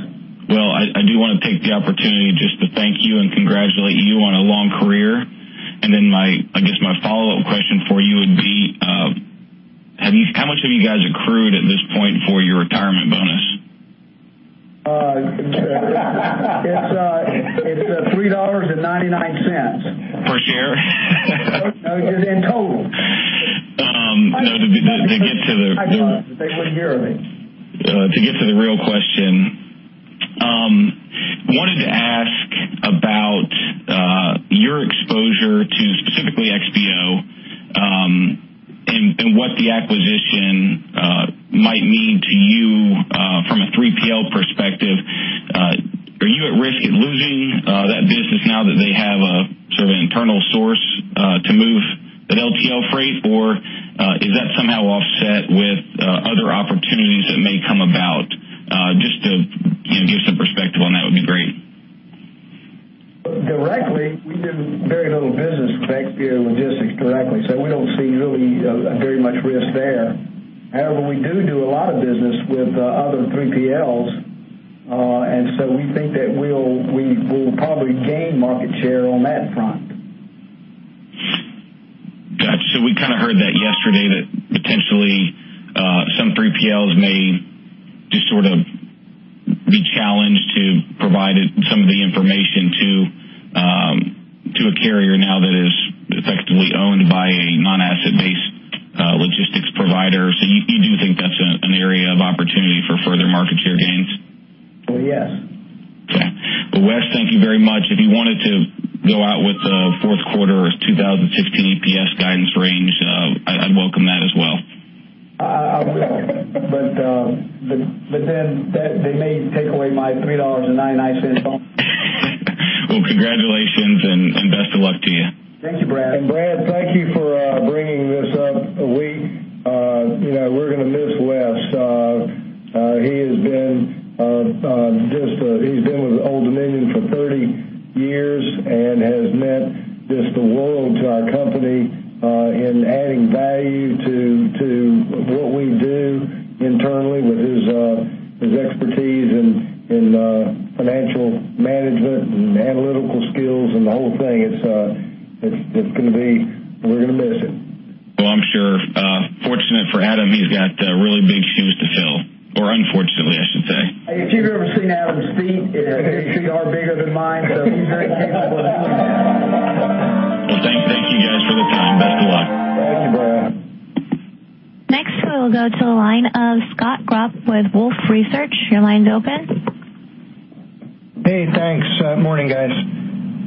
[SPEAKER 15] I do want to take the opportunity just to thank you and congratulate you on a long career. I guess my follow-up question for you would be, how much have you guys accrued at this point for your retirement bonus?
[SPEAKER 3] It's $3.99.
[SPEAKER 15] Per share?
[SPEAKER 3] No, it is in total.
[SPEAKER 15] To get to the-
[SPEAKER 3] They wouldn't hear me.
[SPEAKER 15] To get to the real question, wanted to ask about your exposure to specifically XPO, what the acquisition might mean to you from a 3PL perspective. Are you at risk at losing that business now that they have a sort of internal source to move that LTL freight? Is that somehow offset with other opportunities that may come about? Just to give some perspective on that would be great.
[SPEAKER 2] Directly, we do very little business with XPO Logistics directly. We don't see really very much risk there. However, we do a lot of business with other 3PLs. We think that we will probably gain market share on that front.
[SPEAKER 15] I heard that yesterday that potentially some 3PLs may just sort of be challenged to provide some of the information to a carrier now that is effectively owned by a non-asset-based logistics provider. You do think that's an area of opportunity for further market share gains?
[SPEAKER 3] Well, yes.
[SPEAKER 15] Okay. Well, Wes, thank you very much. If you wanted to go out with the fourth quarter of 2016 EPS guidance range, I'd welcome that as well.
[SPEAKER 3] I will. They may take away my $3.99 fish bowl.
[SPEAKER 15] Well, congratulations and best of luck to you.
[SPEAKER 3] Thank you, Brad.
[SPEAKER 2] Brad, thank you for bringing this up. And we, we're going to miss Wes. He's been with Old Dominion for 30 years and has meant just the world to our company in adding value to what we do internally with his expertise in financial management and analytical skills and the whole thing. We're going to miss him.
[SPEAKER 15] Well, I'm sure. Fortunate for Adam, he's got really big shoes to fill, or unfortunately, I should say.
[SPEAKER 3] If you've ever seen Adam's feet, they are bigger than mine, so he's very capable of doing that.
[SPEAKER 15] Well, thank you guys for the time. Best of luck.
[SPEAKER 2] Thank you, Brad.
[SPEAKER 4] Next, we'll go to the line of Scott Group with Wolfe Research. Your line is open.
[SPEAKER 16] Hey, thanks. Morning, guys.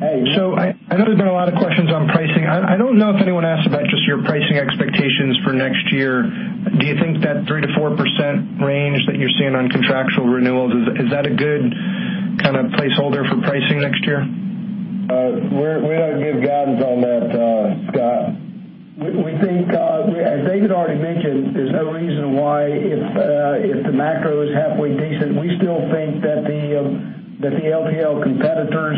[SPEAKER 2] Hey.
[SPEAKER 16] I know there's been a lot of questions on pricing. I don't know if anyone asked about just your pricing expectations for next year. Do you think that 3%-4% range that you're seeing on contractual renewals, is that a good kind of placeholder for pricing next year?
[SPEAKER 2] We don't give guidance on that, Scott.
[SPEAKER 3] As David already mentioned, there's no reason why, if the macro is halfway decent, we still think that the LTL competitors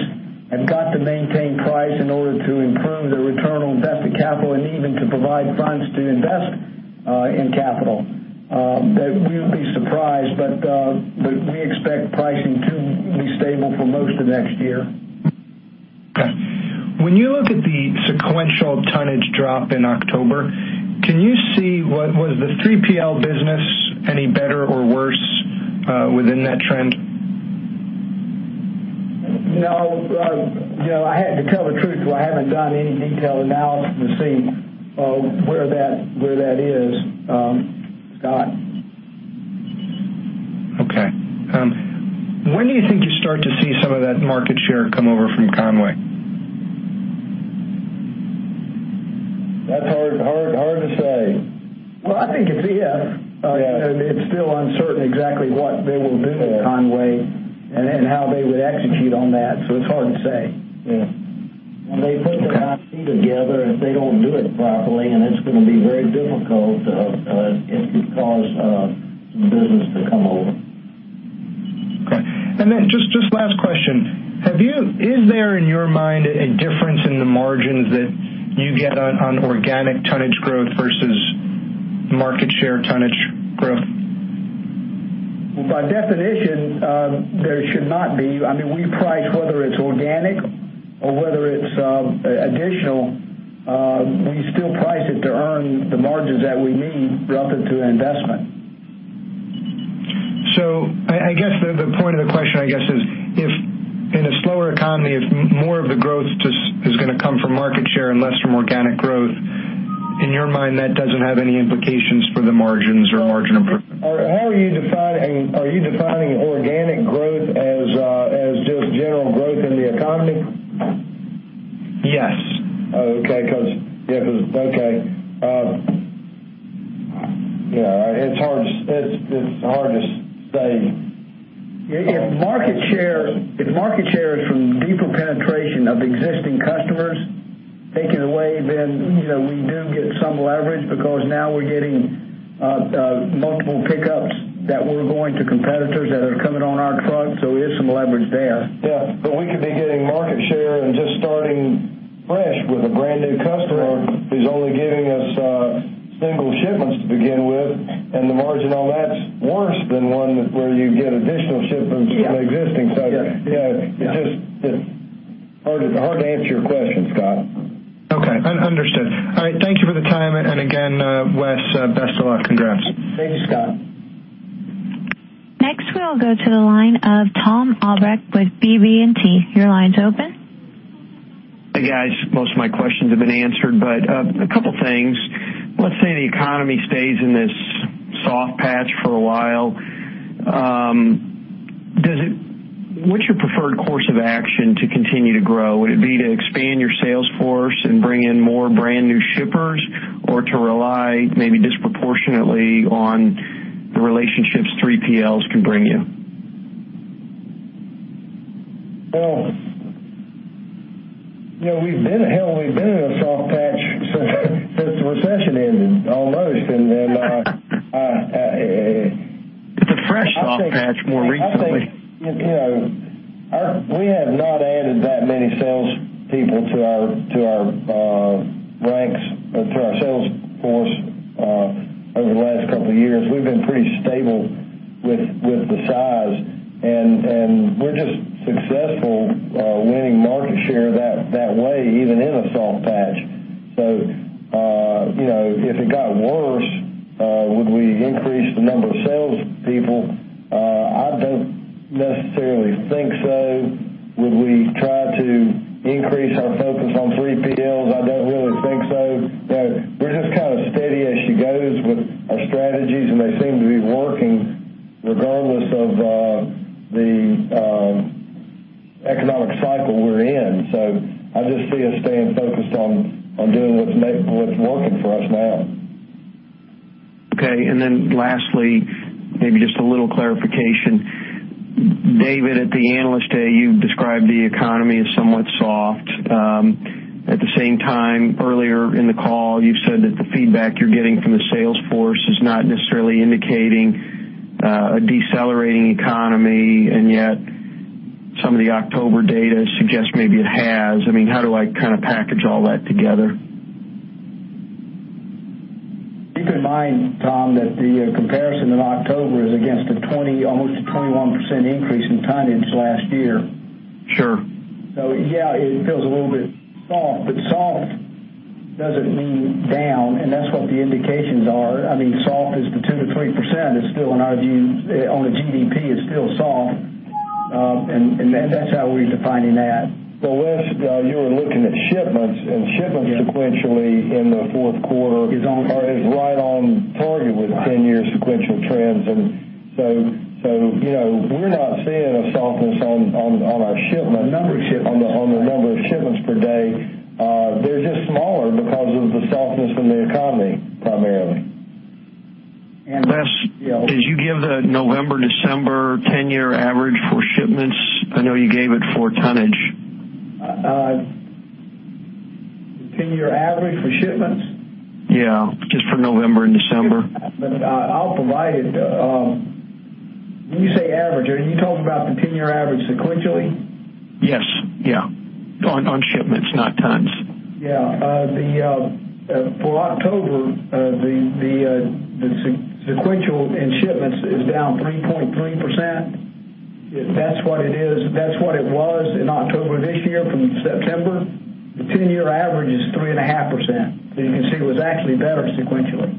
[SPEAKER 3] have got to maintain price in order to improve their return on invested capital and even to provide funds to invest in capital. That we would be surprised, but we expect pricing to be stable for most of next year.
[SPEAKER 16] Okay. When you look at the sequential tonnage drop in October, can you see was the 3PL business any better or worse within that trend?
[SPEAKER 3] No. I have to tell the truth, I haven't done any detailed analysis to see where that is, Scott.
[SPEAKER 16] Okay. When do you think you start to see some of that market share come over from Con-way?
[SPEAKER 2] That's hard to say.
[SPEAKER 3] Well, I think it's if.
[SPEAKER 2] Yes.
[SPEAKER 3] It's still uncertain exactly what they will do at Con-way and how they would execute on that, so it's hard to say.
[SPEAKER 2] Yeah.
[SPEAKER 16] Okay.
[SPEAKER 3] When they put the IT together, if they don't do it properly, and it's going to be very difficult, it could cause some business to come over.
[SPEAKER 16] Okay. Just last question. Is there, in your mind, a difference in the margins that you get on organic tonnage growth versus market share tonnage growth?
[SPEAKER 3] Well, by definition, there should not be. We price whether it's organic or whether it's additional. We still price it to earn the margins that we need relative to investment.
[SPEAKER 16] I guess the point of the question is if in a slower economy, if more of the growth just is going to come from market share and less from organic growth, in your mind, that doesn't have any implications for the margins or margin improvement?
[SPEAKER 2] How are you defining organic growth as just general growth in the economy?
[SPEAKER 16] Yes.
[SPEAKER 2] Yeah, it's hard to say.
[SPEAKER 3] If market share is from deeper penetration of existing customers taking away, then we do get some leverage because now we're getting multiple pickups that were going to competitors that are coming on our truck. There's some leverage there.
[SPEAKER 2] Yeah. We could be getting market share and just starting fresh with a brand-new customer who's only giving us single shipments to begin with, and the margin on that's worse than one where you get additional shipments from the existing side.
[SPEAKER 3] Yeah.
[SPEAKER 2] It's hard to answer your question, Scott.
[SPEAKER 16] Okay. Understood. All right. Thank you for the time, and again, Wes, best of luck. Congrats.
[SPEAKER 3] Thank you, Scott.
[SPEAKER 4] Next, we'll go to the line of Thom Albrecht with BB&T. Your line's open.
[SPEAKER 17] Hey, guys. Most of my questions have been answered, but a couple things. Let's say the economy stays in this soft patch for a while. What's your preferred course of action to continue to grow? Would it be to expand your sales force and bring in more brand new shippers or to rely maybe disproportionately on the relationships 3PLs can bring you?
[SPEAKER 2] Hell, we've been in a soft patch since the recession ended, almost.
[SPEAKER 17] It's a fresh soft patch more recently.
[SPEAKER 2] We have not added that many salespeople to our ranks or to our sales force over the last couple of years. We've been pretty stable with the size. And we're just successful winning market share that way, even in a soft patch. If it got worse, would we increase the number of salespeople? I don't necessarily think so. Would we try to increase our focus on 3PLs? I don't really think so. We're just steady as she goes with our strategies, and they seem to be working regardless of the economic cycle we're in. I just see us staying focused on doing what's working for us now.
[SPEAKER 17] Lastly, maybe just a little clarification. David, at the Analyst Day, you described the economy as somewhat soft. At the same time, earlier in the call, you said that the feedback you're getting from the sales force is not necessarily indicating a decelerating economy, and yet some of the October data suggests maybe it has. How do I package all that together?
[SPEAKER 2] Keep in mind, Thom, that the comparison in October is against almost a 21% increase in tonnage last year.
[SPEAKER 17] Sure.
[SPEAKER 2] Yeah, it feels a little bit soft doesn't mean down, and that's what the indications are. Soft is the 2%-3%, in our view, on the GDP is still soft. That's how we're defining that. Wes, you were looking at shipments, and shipments sequentially in the fourth quarter- Is on-
[SPEAKER 17] Are right on target with the 10-year sequential trends. We're not seeing a softness on our shipments.
[SPEAKER 2] The number of shipments.
[SPEAKER 17] On the number of shipments per day. They're just smaller because of the softness in the economy, primarily.
[SPEAKER 2] Yes.
[SPEAKER 17] Wes, did you give the November, December 10-year average for shipments? I know you gave it for tonnage.
[SPEAKER 3] 10-year average for shipments?
[SPEAKER 17] Yeah. Just for November and December.
[SPEAKER 3] I'll provide it. When you say average, are you talking about the 10-year average sequentially?
[SPEAKER 17] Yes. On shipments, not tons.
[SPEAKER 3] Yeah. For October, the sequential in shipments is down 3.3%. That's what it was in October of this year from September. The 10-year average is 3.5%, you can see it was actually better sequentially.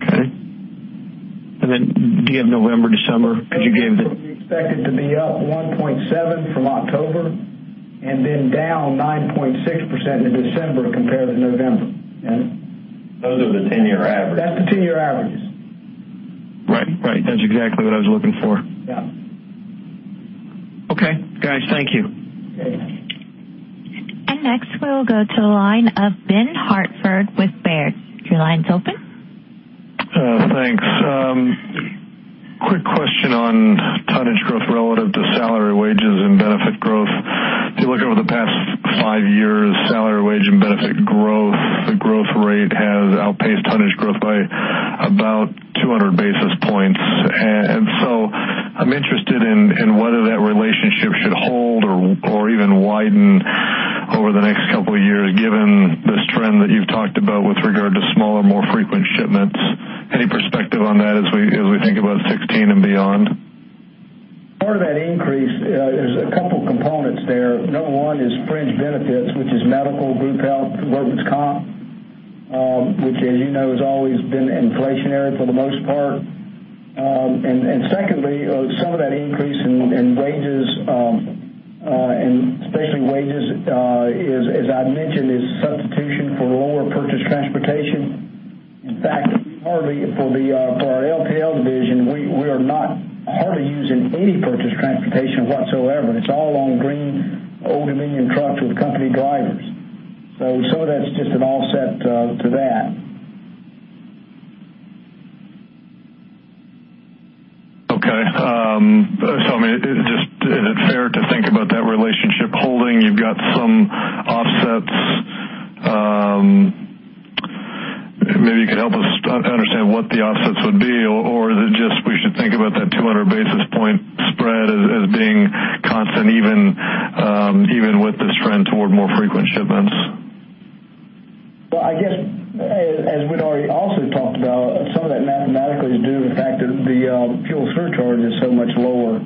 [SPEAKER 17] Okay. Then do you have November, December?
[SPEAKER 3] November, we expect it to be up 1.7% from October, then down 9.6% in December compared to November. Yeah.
[SPEAKER 11] Those are the 10-year averages.
[SPEAKER 3] That's the 10-year averages.
[SPEAKER 17] Right. That's exactly what I was looking for.
[SPEAKER 3] Yeah.
[SPEAKER 17] Okay, guys. Thank you.
[SPEAKER 2] Okay.
[SPEAKER 4] Next, we'll go to the line of Benjamin Hartford with Baird. Your line's open.
[SPEAKER 18] Thanks. Quick question on tonnage growth relative to salary, wages, and benefit growth. If you look over the past five years, salary, wage, and benefit growth, the growth rate has outpaced tonnage growth by about 200 basis points. I'm interested in whether that relationship should hold or even widen over the next couple of years, given this trend that you've talked about with regard to smaller, more frequent shipments. Any perspective on that as we think about 2016 and beyond?
[SPEAKER 2] Part of that increase, there's a couple components there. Number one is fringe benefits, which is medical, group health, workers' comp, which as you know, has always been inflationary for the most part. Secondly, some of that increase in wages, and especially wages, as I mentioned, is substitution for lower purchased transportation. In fact, for our LTL division, we are hardly using any purchased transportation whatsoever. It's all on green Old Dominion trucks with company drivers. Some of that's just an offset to that.
[SPEAKER 18] Is it fair to think about that relationship holding? You've got some offsets. Maybe you could help us understand what the offsets would be, or is it just we should think about that 200 basis point spread as being constant even with this trend toward more frequent shipments?
[SPEAKER 2] I guess as we'd already also talked about, some of that mathematically is due to the fact that the fuel surcharge is so much lower.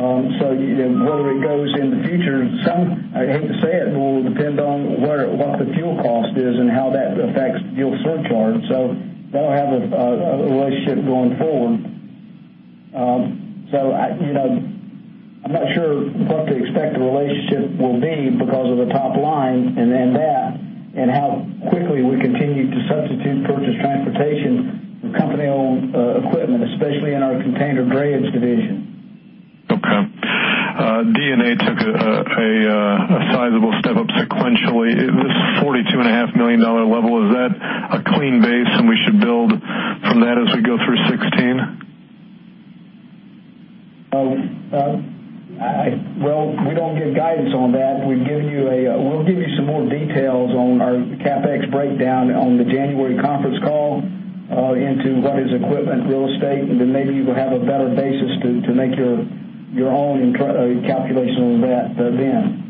[SPEAKER 2] Whether it goes in the future, some, I hate to say it, will depend on what the fuel cost is and how that affects fuel surcharge. That'll have a relationship going forward. I'm not sure what the expected relationship will be because of the top line and then that, and how quickly we continue to substitute purchased transportation with company-owned equipment, especially in our container drayage division.
[SPEAKER 18] D&A took a sizable step up sequentially. It was $42.5 million level. Is that a clean base, we should build from that as we go through 2016?
[SPEAKER 2] Well, we don't give guidance on that. We'll give you some more details on our CapEx breakdown on the January conference call into what is equipment, real estate, and then maybe you will have a better basis to make your own calculation on that then.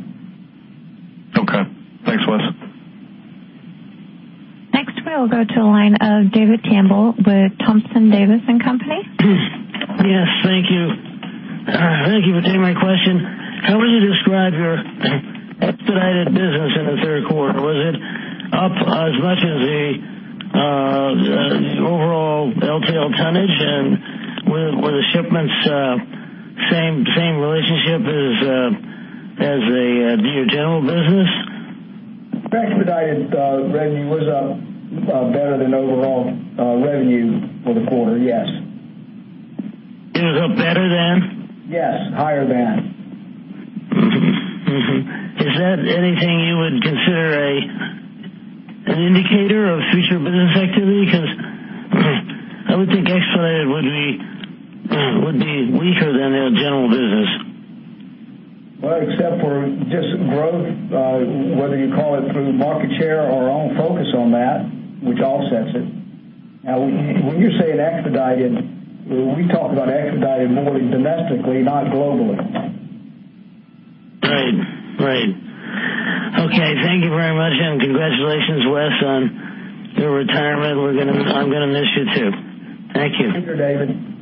[SPEAKER 4] Next, we will go to the line of David Campbell with Thompson, Davis & Co..
[SPEAKER 19] Yes, thank you. Thank you for taking my question. How would you describe your expedited business in the third quarter? Was it up as much as the overall LTL tonnage? Were the shipments same relationship as your general business?
[SPEAKER 3] Expedited revenue was up better than overall revenue for the quarter, yes.
[SPEAKER 19] It was up better than?
[SPEAKER 3] Yes, higher than.
[SPEAKER 19] Is that anything you would consider an indicator of future business activity? Because I would think expedited would be weaker than the general business.
[SPEAKER 3] Well, except for just growth, whether you call it through market share or our own focus on that, which offsets it. When you say an expedited, we talk about expedited more domestically, not globally.
[SPEAKER 19] Right. Okay. Thank you very much, and congratulations, Wes, on your retirement. I'm going to miss you, too. Thank you.
[SPEAKER 3] Thank you, David.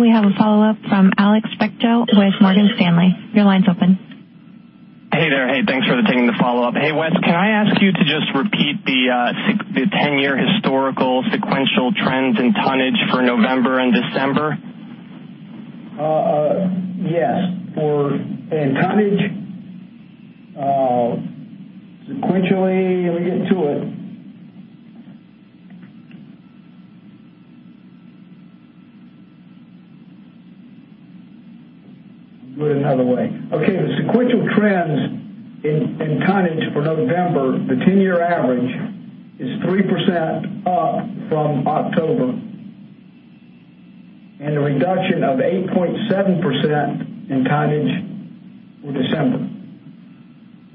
[SPEAKER 4] We have a follow-up from Alex Bechtel with Morgan Stanley. Your line's open.
[SPEAKER 6] Hey there. Hey, thanks for taking the follow-up. Hey, Wes, can I ask you to just repeat the 10-year historical sequential trends in tonnage for November and December?
[SPEAKER 3] Yes. For in tonnage, sequentially, let me get to it. Put another way. Okay, the sequential trends in tonnage for November, the 10-year average is 3% up from October, and a reduction of 8.7% in tonnage for December.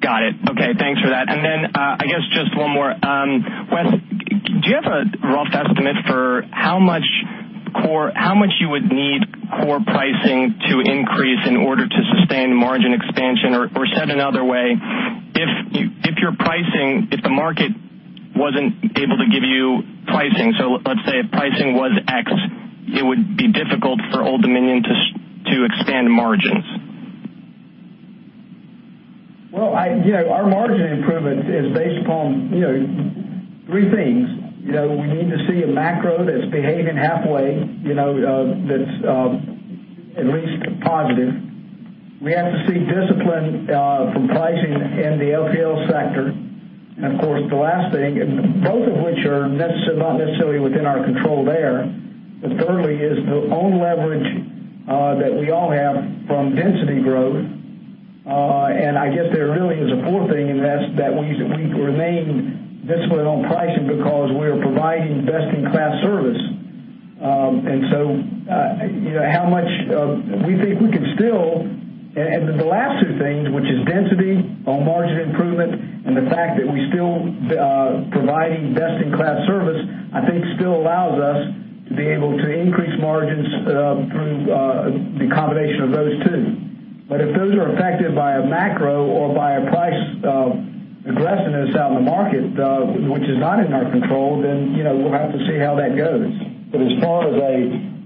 [SPEAKER 6] Got it. Okay, thanks for that. I guess just one more. Wes, do you have a rough estimate for how much you would need core pricing to increase in order to sustain margin expansion? Said another way, if the market wasn't able to give you pricing, so let's say if pricing was X, it would be difficult for Old Dominion to expand margins.
[SPEAKER 3] Well, our margin improvement is based upon three things. We need to see a macro that's behaving halfway, that's at least positive. We have to see discipline from pricing in the LTL sector. Of course, the last thing, both of which are not necessarily within our control there, Thirdly is the own leverage that we all have from density growth. I guess there really is a fourth thing, that's that we remain disciplined on pricing because we are providing best-in-class service. How much we think we can still the last two things, which is density on margin improvement and the fact that we still providing best-in-class service, I think still allows us to be able to increase margins through the combination of those two. If those are affected by a macro or by a price aggressiveness out in the market, which is not in our control, we'll have to see how that goes.
[SPEAKER 2] As far as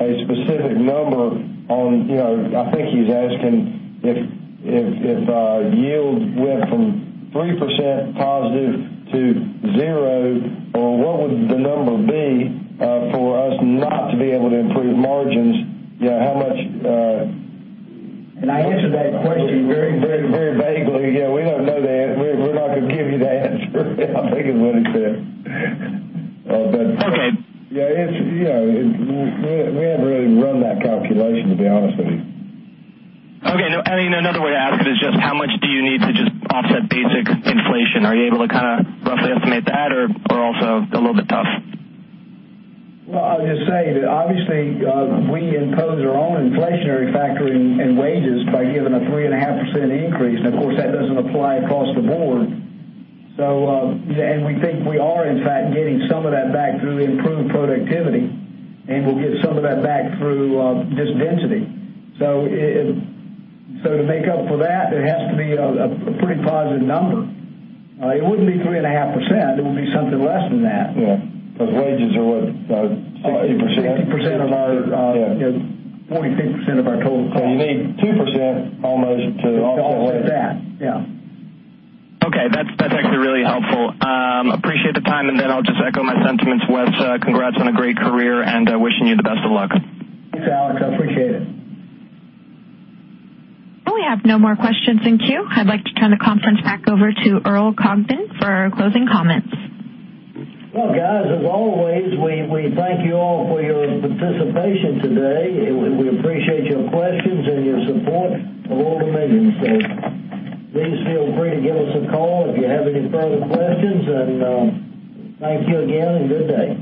[SPEAKER 2] a specific number on, I think he's asking if yield went from 3% positive to zero, or what would the number be for us not to be able to improve margins? How much-
[SPEAKER 3] I answered that question.
[SPEAKER 2] Very vaguely. We don't know that. We're not going to give you the answer, I think is what he said.
[SPEAKER 6] Okay.
[SPEAKER 2] We haven't really run that calculation, to be honest with you.
[SPEAKER 6] Okay. Another way to ask it is just how much do you need to just offset basic inflation? Are you able to roughly estimate that, or also a little bit tough?
[SPEAKER 3] Well, I'll just say that obviously, we impose our own inflationary factor in wages by giving a 3.5% increase, and of course, that doesn't apply across the board. We think we are, in fact, getting some of that back through improved productivity, and we'll get some of that back through just density. To make up for that, it has to be a pretty positive number. It wouldn't be 3.5%. It would be something less than that.
[SPEAKER 2] Yeah. Because wages are what, 60%?
[SPEAKER 3] 60%. 46% of our total cost.
[SPEAKER 2] You need 2% almost to offset wages.
[SPEAKER 3] To offset that, yeah.
[SPEAKER 6] Okay. That's actually really helpful. Appreciate the time. I'll just echo my sentiments, Wes. Congrats on a great career, wishing you the best of luck.
[SPEAKER 3] Thanks, Alex. I appreciate it.
[SPEAKER 4] We have no more questions in queue. I'd like to turn the conference back over to Earl Congdon for our closing comments.
[SPEAKER 1] Well, guys, as always, we thank you all for your participation today. We appreciate your questions and your support of Old Dominion. Please feel free to give us a call if you have any further questions. Thank you again, and good day.